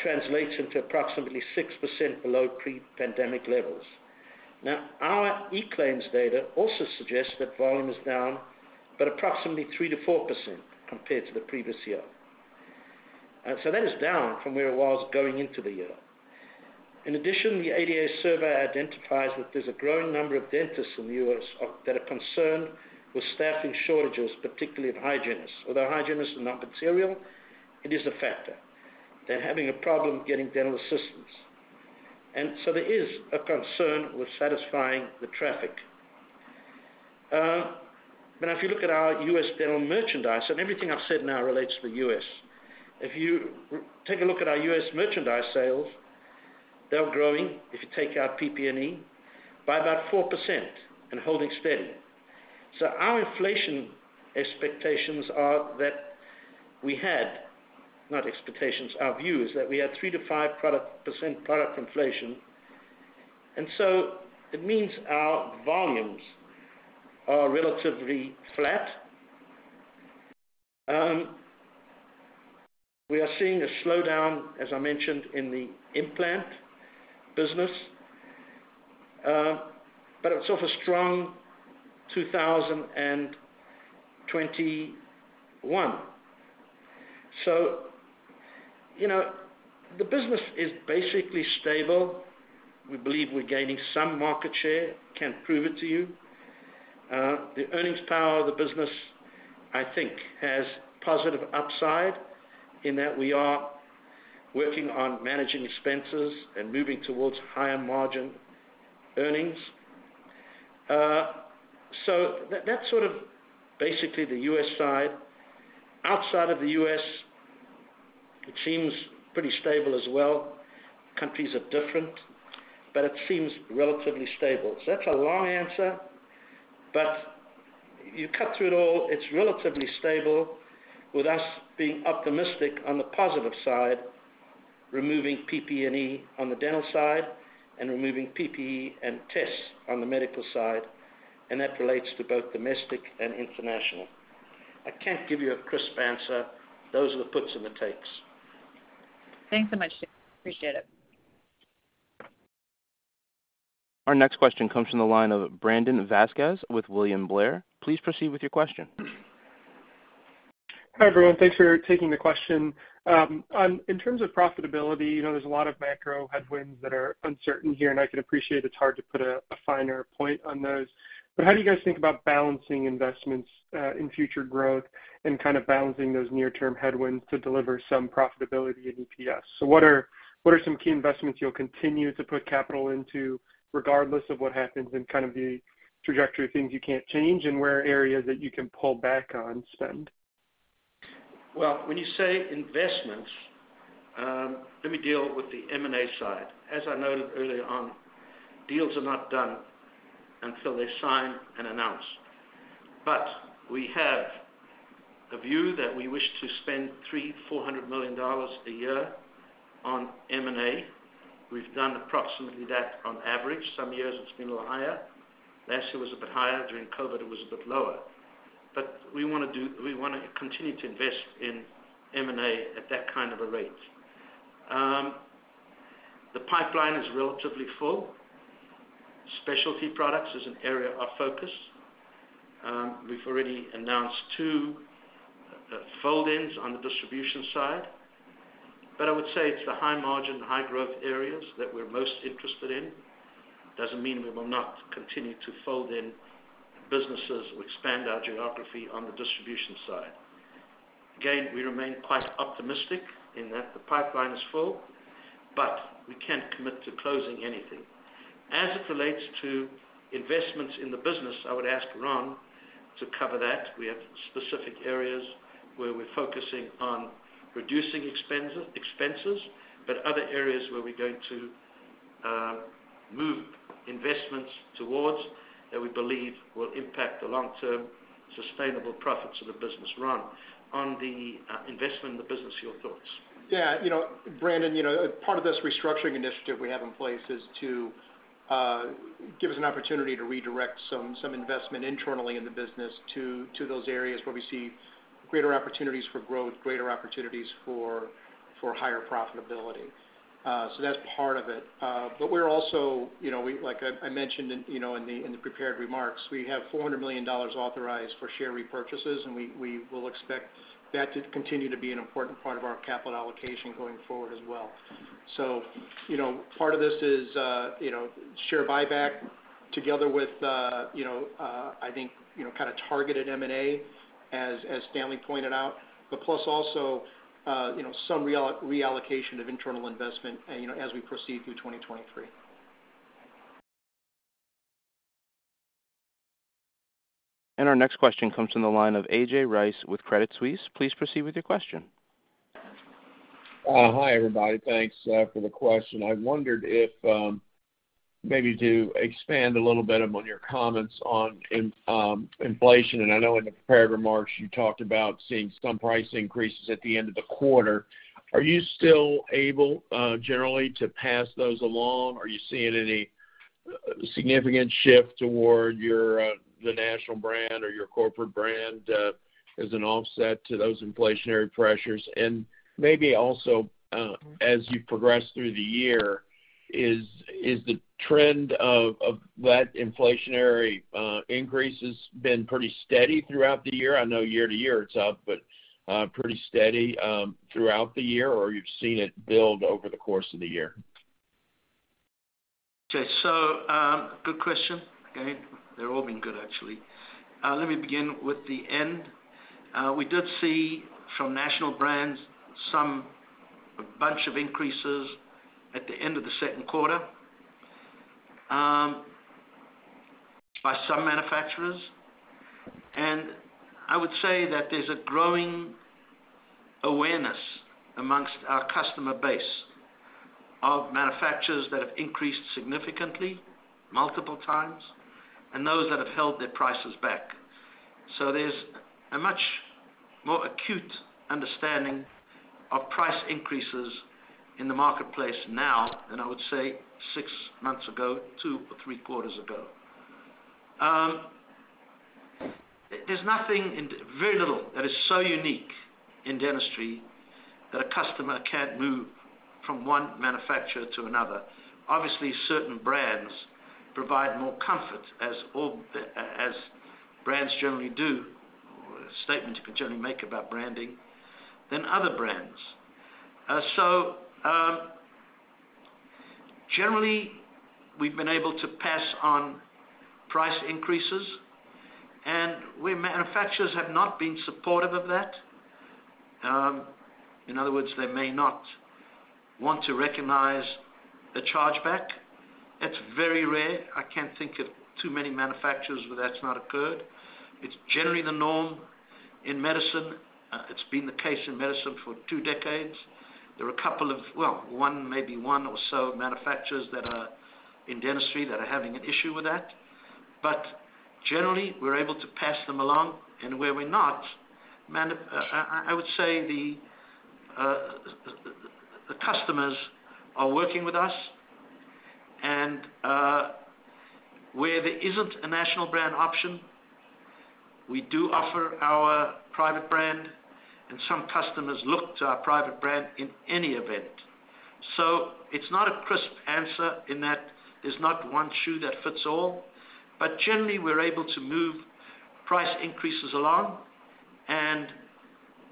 translates into approximately 6% below pre-pandemic levels. Now, our eClaims data also suggests that volume is down, but approximately 3%-4% compared to the previous year. That is down from where it was going into the year. In addition, the ADA survey identifies that there's a growing number of dentists in the U.S. that are concerned with staffing shortages, particularly of hygienists. Although hygienists are not material, it is a factor. They're having a problem getting dental assistants. There is a concern with satisfying the traffic. But if you look at our U.S. dental merchandise, and everything I've said now relates to the U.S. If you take a look at our U.S. merchandise sales, they're growing, if you take out PPE, by about 4% and holding steady. Our inflation expectations are that we had, not expectations, our view is that we had 3%-5% product inflation, and so it means our volumes are relatively flat. We are seeing a slowdown, as I mentioned, in the implant business, but it's off a strong 2021. You know, the business is basically stable. We believe we're gaining some market share, can't prove it to you. The earnings power of the business, I think, has positive upside in that we are working on managing expenses and moving towards higher margin earnings. So that's sort of basically the U.S. side. Outside of the U.S., it seems pretty stable as well. Countries are different, but it seems relatively stable. That's a long answer, but you cut through it all, it's relatively stable, with us being optimistic on the positive side, removing PPE on the dental side and removing PPE and tests on the medical side, and that relates to both domestic and international. I can't give you a crisp answer. Those are the puts and the takes. Thanks so much. Appreciate it. Our next question comes from the line of Brandon Couillard with William Blair. Please proceed with your question. Hi, everyone. Thanks for taking the question. On in terms of profitability, you know, there's a lot of macro headwinds that are uncertain here, and I can appreciate it's hard to put a finer point on those. How do you guys think about balancing investments in future growth and kind of balancing those near-term headwinds to deliver some profitability in EPS? What are some key investments you'll continue to put capital into regardless of what happens and kind of the trajectory of things you can't change, and where are areas that you can pull back on spend? Well, when you say investments, let me deal with the M&A side. As I noted early on, deals are not done until they're signed and announced. We have a view that we wish to spend $300 million-$400 million a year on M&A. We've done approximately that on average. Some years it's been a little higher. Last year was a bit higher. During COVID, it was a bit lower. We wanna continue to invest in M&A at that kind of a rate. The pipeline is relatively full. Specialty products is an area of focus. We've already announced two fold-ins on the distribution side. I would say it's the high margin, high growth areas that we're most interested in. Doesn't mean we will not continue to fold in businesses or expand our geography on the distribution side. Again, we remain quite optimistic in that the pipeline is full, but we can't commit to closing anything. As it relates to investments in the business, I would ask Ron to cover that. We have specific areas where we're focusing on reducing expenses, but other areas where we're going to move investments towards that we believe will impact the long-term sustainable profits of the business. Ron, on the investment in the business, your thoughts. Yeah. You know, Brandon, part of this restructuring initiative we have in place is to give us an opportunity to redirect some investment internally in the business to those areas where we see greater opportunities for growth, greater opportunities for higher profitability. That's part of it. We're also, you know, like I mentioned in the prepared remarks, we have $400 million authorized for share repurchases, and we will expect that to continue to be an important part of our capital allocation going forward as well. You know, part of this is, you know, share buyback together with, you know, I think, you know, kind of targeted M&A, as Stanley pointed out. Plus also, you know, some reallocation of internal investment, you know, as we proceed through 2023. Our next question comes from the line of A.J. Rice with Credit Suisse. Please proceed with your question. Hi, everybody. Thanks for the question. I wondered if maybe to expand a little bit on your comments on inflation. I know in the prepared remarks you talked about seeing some price increases at the end of the quarter. Are you still generally able to pass those along? Are you seeing any significant shift toward your national brand or your corporate brand as an offset to those inflationary pressures? Maybe also as you progress through the year, is the trend of that inflationary increases been pretty steady throughout the year? I know year to year it's up, but pretty steady throughout the year, or you've seen it build over the course of the year? Okay. Good question. Again, they've all been good, actually. Let me begin with the end. We did see from National Brands a bunch of increases at the end of the second quarter, by some manufacturers. I would say that there's a growing awareness among our customer base of manufacturers that have increased significantly multiple times and those that have held their prices back. There's a much more acute understanding of price increases in the marketplace now than I would say six months ago, two or three quarters ago. There's very little that is so unique in dentistry that a customer can't move from one manufacturer to another. Obviously, certain brands provide more comfort as all, as brands generally do, or a statement you can generally make about branding, than other brands. Generally, we've been able to pass on price increases, and where manufacturers have not been supportive of that, in other words, they may not want to recognize the charge back. That's very rare. I can't think of too many manufacturers where that's not occurred. It's generally the norm in medicine. It's been the case in medicine for two decades. There are a couple of, well, one, maybe one or so manufacturers that are in dentistry that are having an issue with that. Generally, we're able to pass them along. Where we're not, I would say the customers are working with us. Where there isn't a national brand option, we do offer our private brand, and some customers look to our private brand in any event. It's not a crisp answer in that there's not one shoe that fits all. Generally, we're able to move price increases along, and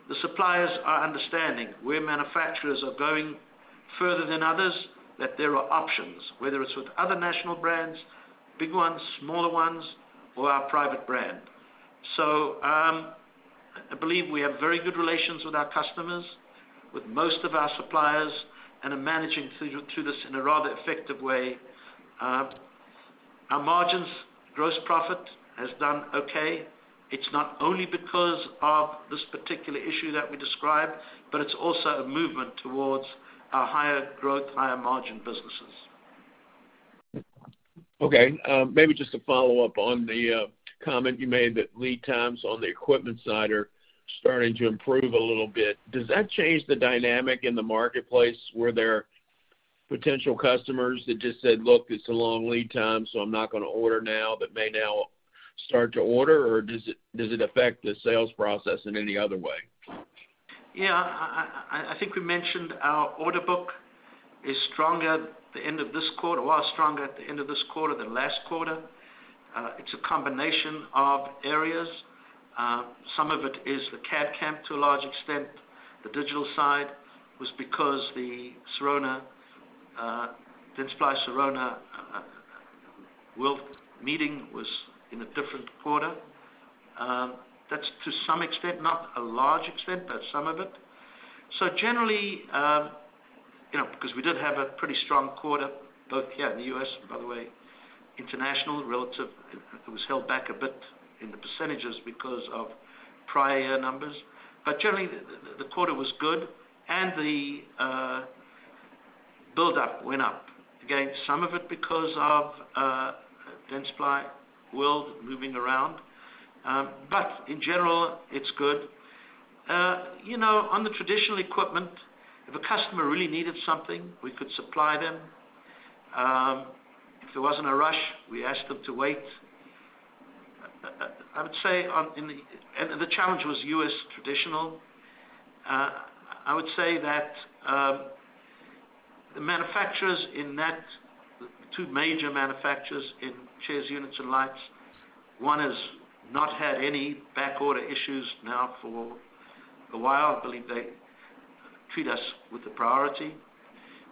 the suppliers are understanding where manufacturers are going further than others, that there are options, whether it's with other national brands, big ones, smaller ones, or our private brand. I believe we have very good relations with our customers, with most of our suppliers, and are managing through this in a rather effective way. Our margins, gross profit has done okay. It's not only because of this particular issue that we described, but it's also a movement towards our higher growth, higher margin businesses. Okay. Maybe just to follow up on the comment you made, that lead times on the equipment side are starting to improve a little bit. Does that change the dynamic in the marketplace where there are potential customers that just said, "Look, it's a long lead time, so I'm not gonna order now," but may now start to order? Or does it affect the sales process in any other way? Yeah. I think we mentioned our order book is stronger at the end of this quarter or was stronger at the end of this quarter than last quarter. It's a combination of areas. Some of it is the CAD/CAM to a large extent. The digital side was because the DS World was in a different quarter. That's to some extent, not a large extent, but some of it. Generally, you know, because we did have a pretty strong quarter both here in the U.S., and by the way, international, relatively, it was held back a bit in the percentages because of prior numbers. Generally the quarter was good and the build-up went up. Again, some of it because of DS World moving around. In general it's good. You know, on the traditional equipment, if a customer really needed something, we could supply them. If there wasn't a rush, we asked them to wait. I would say the challenge was U.S. traditional. I would say that the manufacturers in that, two major manufacturers in chairs, units, and lights, one has not had any back order issues now for a while. I believe they treat us with the priority.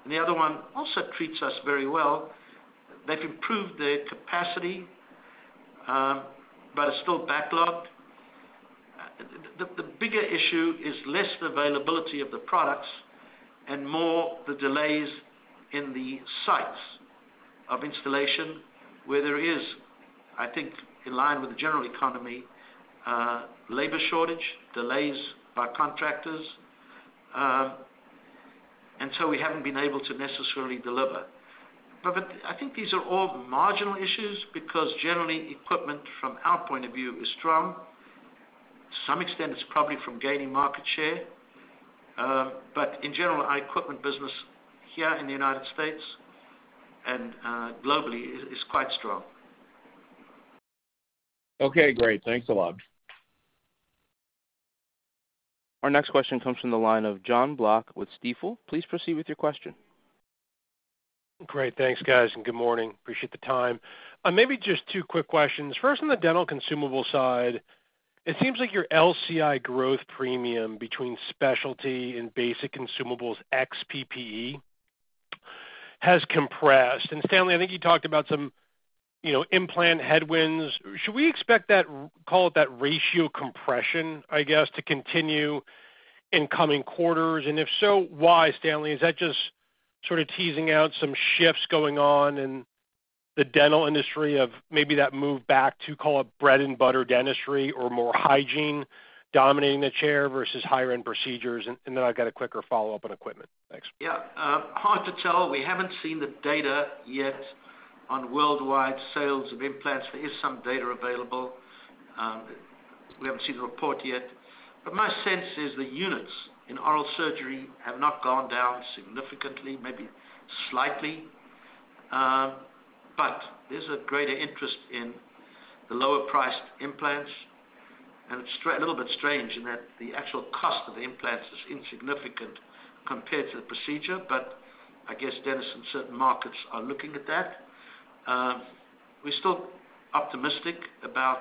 The other one also treats us very well. They've improved their capacity, but are still backlogged. The bigger issue is less the availability of the products and more the delays in the sites of installation where there is, I think, in line with the general economy, labor shortage, delays by contractors, and so we haven't been able to necessarily deliver. I think these are all marginal issues because generally, equipment from our point of view is strong. To some extent, it's probably from gaining market share. In general, our equipment business here in the United States and globally is quite strong. Okay, great. Thanks a lot. Our next question comes from the line of Jon Block with Stifel. Please proceed with your question. Great. Thanks, guys, and good morning. Appreciate the time. Maybe just two quick questions. First, on the dental consumable side, it seems like your LCI growth premium between specialty and basic consumables ex PPE has compressed. Stanley, I think you talked about some, you know, implant headwinds. Should we expect that, call it that ratio compression, I guess, to continue in coming quarters? If so, why, Stanley? Is that just sort of teasing out some shifts going on in the dental industry of maybe that move back to, call it bread and butter dentistry or more hygiene dominating the chair versus higher end procedures? Then I've got a quicker follow-up on equipment. Thanks. Yeah. Hard to tell. We haven't seen the data yet on worldwide sales of implants. There is some data available, we haven't seen the report yet. My sense is the units in oral surgery have not gone down significantly, maybe slightly. There's a greater interest in the lower priced implants, and it's a little bit strange in that the actual cost of the implants is insignificant compared to the procedure. I guess dentists in certain markets are looking at that. We're still optimistic about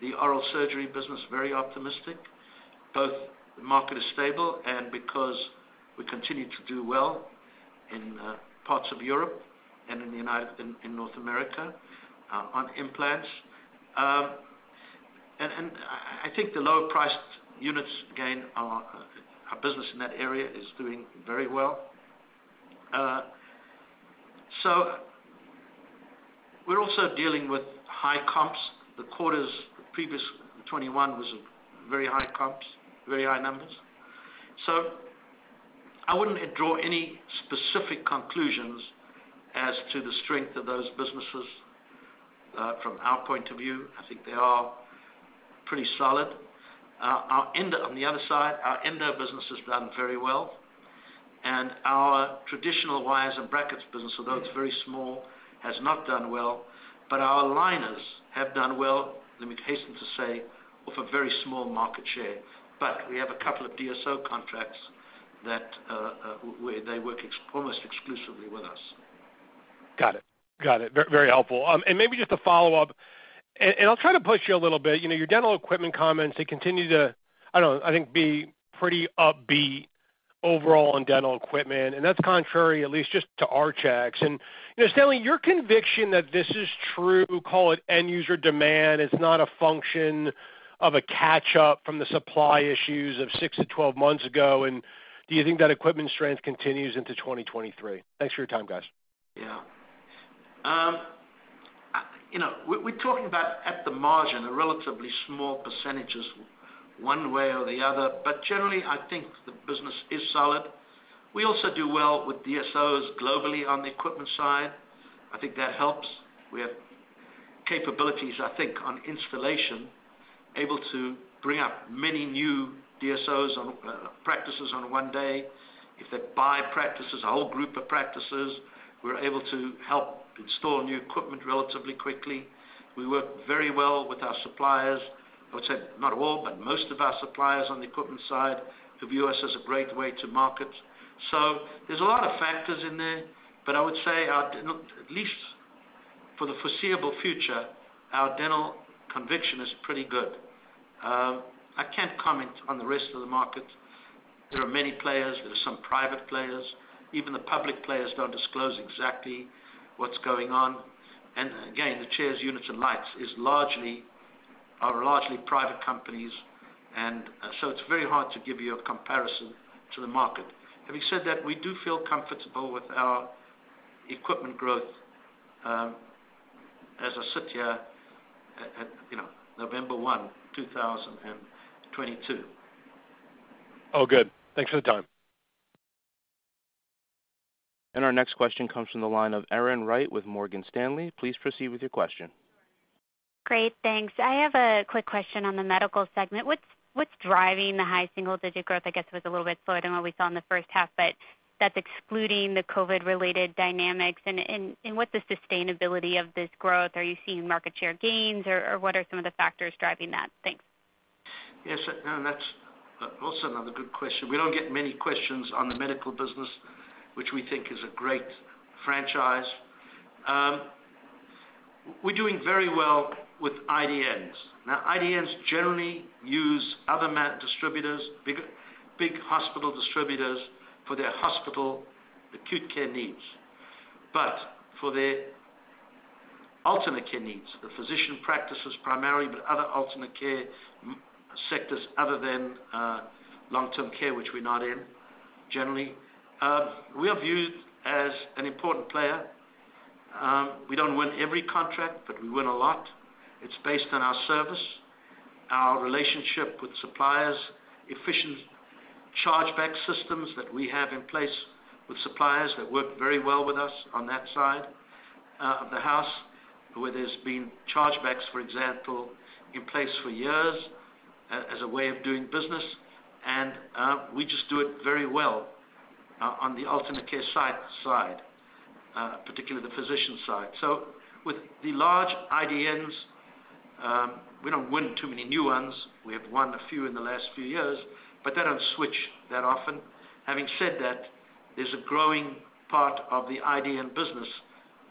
the oral surgery business, very optimistic. Both the market is stable, and because we continue to do well in parts of Europe and in North America on implants. I think the lower priced units, again, our business in that area is doing very well. We're also dealing with high comps. The quarters previous, 2021 was very high comps, very high numbers. I wouldn't draw any specific conclusions as to the strength of those businesses. From our point of view, I think they are pretty solid. On the other side, our endo business has done very well. Our traditional wires and brackets business, although it's very small, has not done well. Our aligners have done well, let me hasten to say, off a very small market share. We have a couple of DSO contracts that they work almost exclusively with us. Got it. Very, very helpful. Maybe just a follow-up, and I'll try to push you a little bit. You know, your dental equipment comments, they continue to, I don't know, I think be pretty upbeat overall on dental equipment, and that's contrary at least just to our checks. You know, Stanley, your conviction that this is true, call it end user demand, it's not a function of a catch-up from the supply issues of 6-12 months ago, and do you think that equipment strength continues into 2023? Thanks for your time, guys. Yeah. You know, we're talking about at the margin, the relatively small percentages one way or the other. Generally, I think the business is solid. We also do well with DSOs globally on the equipment side. I think that helps. We have capabilities, I think, on installation, able to bring up many new DSOs on practices on one day. If they buy practices, a whole group of practices, we're able to help install new equipment relatively quickly. We work very well with our suppliers. I would say not all, but most of our suppliers on the equipment side who view us as a great way to market. There's a lot of factors in there, but I would say look, at least for the foreseeable future, our dental conviction is pretty good. I can't comment on the rest of the market. There are many players. There are some private players. Even the public players don't disclose exactly what's going on. Again, the chairs, units, and lights are largely private companies, and so it's very hard to give you a comparison to the market. Having said that, we do feel comfortable with our equipment growth as I sit here at, you know, November 1, 2022. Oh, good. Thanks for the time. Our next question comes from the line of Erin Wright with Morgan Stanley. Please proceed with your question. Great. Thanks. I have a quick question on the medical segment. What's driving the high single-digit growth, I guess, was a little bit slower than what we saw in the first half, but that's excluding the COVID-related dynamics. What's the sustainability of this growth? Are you seeing market share gains or what are some of the factors driving that? Thanks. Yes. No, that's also another good question. We don't get many questions on the medical business, which we think is a great franchise. We're doing very well with IDNs. Now, IDNs generally use other med distributors, big hospital distributors for their hospital acute care needs. For their alternate care needs, the physician practices primarily, but other alternate care sectors other than long-term care, which we're not in generally, we are viewed as an important player. We don't win every contract, but we win a lot. It's based on our service, our relationship with suppliers, efficient chargeback systems that we have in place with suppliers that work very well with us on that side of the house, where there's been chargebacks, for example, in place for years as a way of doing business. We just do it very well on the alternate care side, particularly the physician side. With the large IDNs, we don't win too many new ones. We have won a few in the last few years, but they don't switch that often. Having said that, there's a growing part of the IDN business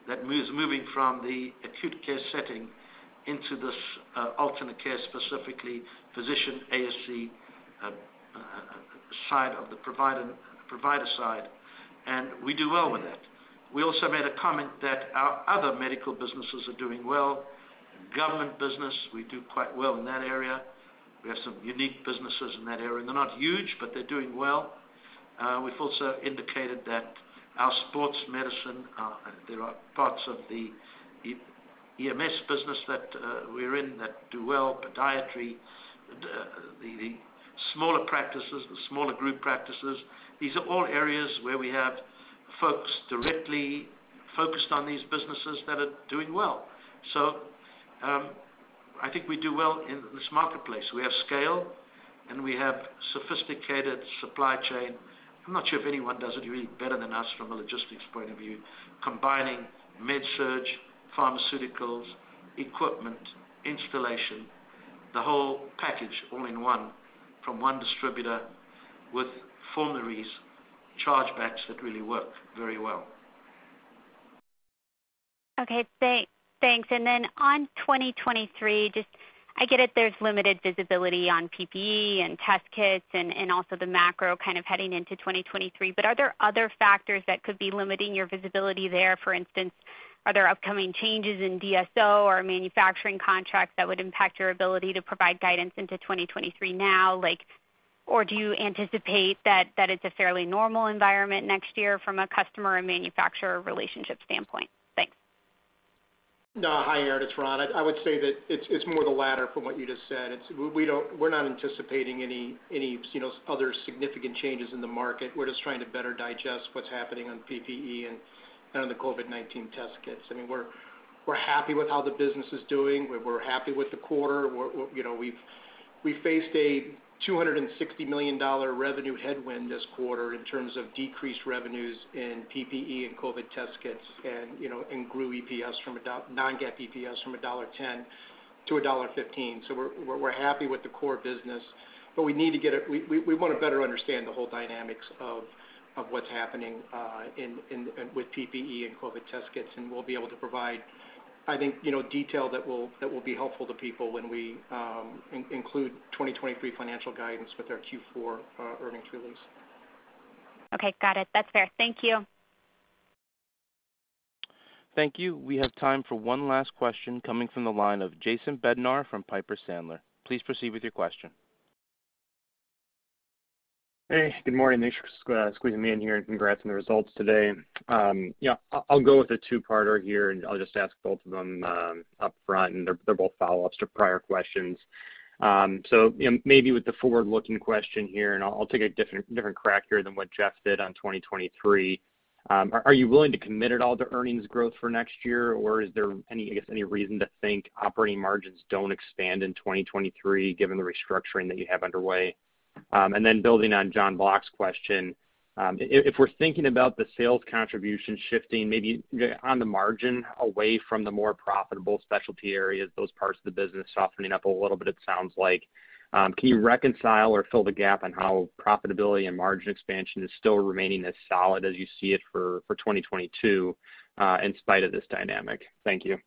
that moves from the acute care setting into this alternate care, specifically physician ASC side of the provider side, and we do well with that. We also made a comment that our other medical businesses are doing well. In government business, we do quite well in that area. We have some unique businesses in that area, and they're not huge, but they're doing well. We've also indicated that our sports medicine, there are parts of the EMS business that we're in that do well, podiatry, the smaller practices, the smaller group practices. These are all areas where we have folks directly focused on these businesses that are doing well. I think we do well in this marketplace. We have scale, and we have sophisticated supply chain. I'm not sure if anyone does it really better than us from a logistics point of view, combining med surg, pharmaceuticals, equipment, installation, the whole package all in one from one distributor with formularies, chargebacks that really work very well. Okay. Thanks. On 2023, just, I get it there's limited visibility on PPE and test kits and also the macro kind of heading into 2023, but are there other factors that could be limiting your visibility there? For instance, are there upcoming changes in DSO or manufacturing contracts that would impact your ability to provide guidance into 2023 now? Like, or do you anticipate that it's a fairly normal environment next year from a customer and manufacturer relationship standpoint? Thanks. No. Hi, Erin, it's Ron. I would say that it's more the latter from what you just said. We're not anticipating any, you know, other significant changes in the market. We're just trying to better digest what's happening on PPE and on the COVID-19 test kits. I mean, we're happy with how the business is doing. We're happy with the quarter. You know, we've faced a $260 million revenue headwind this quarter in terms of decreased revenues in PPE and COVID test kits and, you know, and grew non-GAAP EPS from $1.10 to $1.15. We're happy with the core business, but we wanna better understand the whole dynamics of what's happening in with PPE and COVID test kits, and we'll be able to provide. I think, you know, detail that will be helpful to people when we include 2023 financial guidance with our Q4 earnings release. Okay. Got it. That's fair. Thank you. Thank you. We have time for one last question coming from the line of Jason Bednar from Piper Sandler. Please proceed with your question. Hey, good morning. Thanks for squeezing me in here, and congrats on the results today. Yeah, I'll go with a two-parter here, and I'll just ask both of them upfront, and they're both follow-ups to prior questions. So, you know, maybe with the forward-looking question here, and I'll take a different crack here than what Jeff did on 2023. Are you willing to commit at all to earnings growth for next year, or is there any, I guess, reason to think operating margins don't expand in 2023 given the restructuring that you have underway? Building on Jon Block's question, if we're thinking about the sales contribution shifting maybe on the margin away from the more profitable specialty areas, those parts of the business softening up a little bit it sounds like, can you reconcile or fill the gap on how profitability and margin expansion is still remaining as solid as you see it for 2022, in spite of this dynamic? Thank you.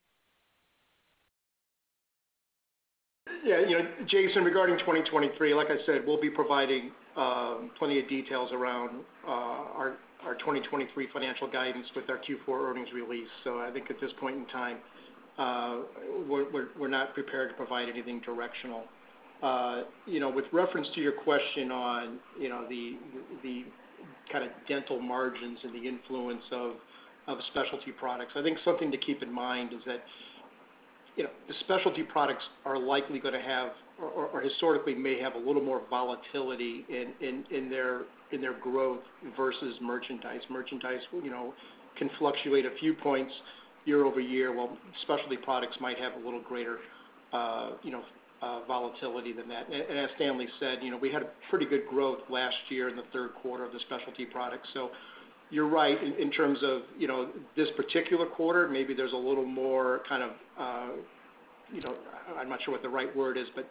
Yeah, you know, Jason, regarding 2023, like I said, we'll be providing plenty of details around our 2023 financial guidance with our Q4 earnings release. I think at this point in time, we're not prepared to provide anything directional. You know, with reference to your question on, you know, the kind of dental margins and the influence of specialty products, I think something to keep in mind is that, you know, the specialty products are likely gonna have or historically may have a little more volatility in their growth versus merchandise. Merchandise, you know, can fluctuate a few points year-over-year, while specialty products might have a little greater volatility than that. As Stanley said, you know, we had a pretty good growth last year in the third quarter of the specialty products. You're right, in terms of, you know, this particular quarter, maybe there's a little more kind of, you know, I'm not sure what the right word is, but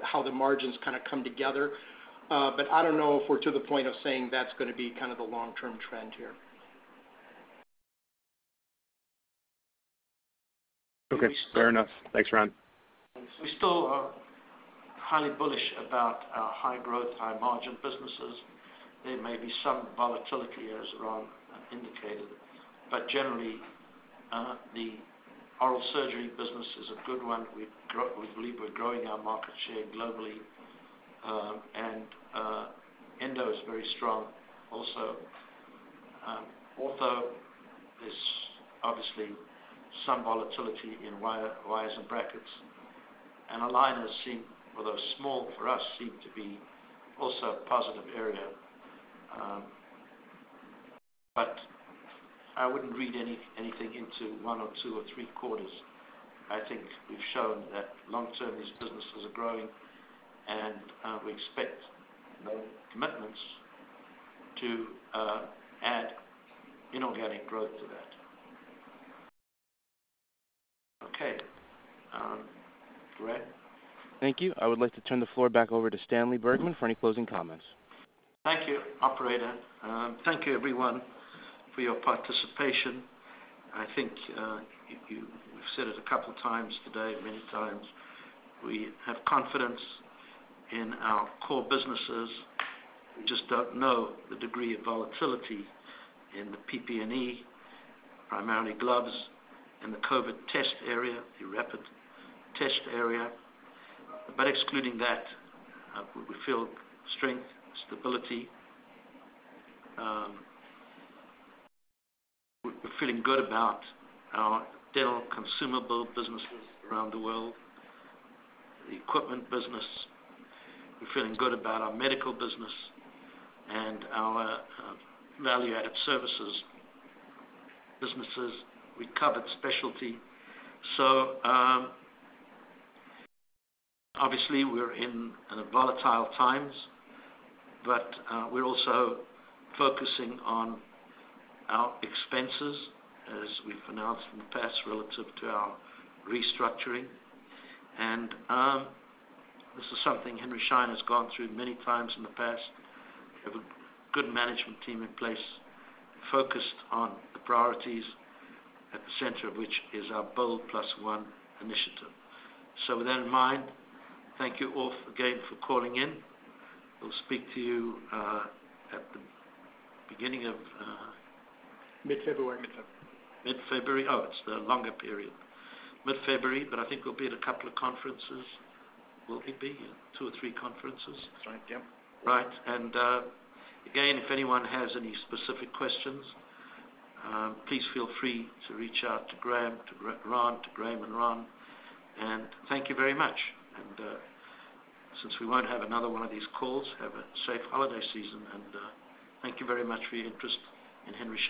how the margins kind of come together. I don't know if we're to the point of saying that's gonna be kind of the long-term trend here. Okay. Fair enough. Thanks, Ron. We still are highly bullish about our high growth, high margin businesses. There may be some volatility, as Ron indicated. Generally, the oral surgery business is a good one. We believe we're growing our market share globally. Endo is very strong also. Ortho is obviously some volatility in wires and brackets. Aligners seem, although small for us, to be also a positive area. I wouldn't read anything into one or two or three quarters. I think we've shown that long term, these businesses are growing, and we expect more commitments to add inorganic growth to that. Okay, [Bednar]? Thank you. I would like to turn the floor back over to Stanley Bergman for any closing comments. Thank you, operator. Thank you everyone for your participation. I think you've said it a couple times today, many times, we have confidence in our core businesses. We just don't know the degree of volatility in the PPE, primarily gloves, in the COVID test area, the rapid test area. Excluding that, we feel strength, stability. We're feeling good about our dental consumable businesses around the world, the equipment business. We're feeling good about our medical business and our value-added services businesses. We covered specialty. Obviously we're in volatile times, but we're also focusing on our expenses, as we've announced in the past, relative to our restructuring. This is something Henry Schein has gone through many times in the past. We have a good management team in place, focused on the priorities, at the center of which is our BOLD+1 initiative. With that in mind, thank you all again for calling in. We'll speak to you at the beginning of. Mid-February. Mid-February. Oh, it's the longer period. Mid-February, but I think we'll be at a couple of conferences. Will we be? Two or three conferences. That's right. Yep. Right. Again, if anyone has any specific questions, please feel free to reach out to Graham and Ron. Thank you very much. Since we won't have another one of these calls, have a safe holiday season, and thank you very much for your interest in Henry Schein.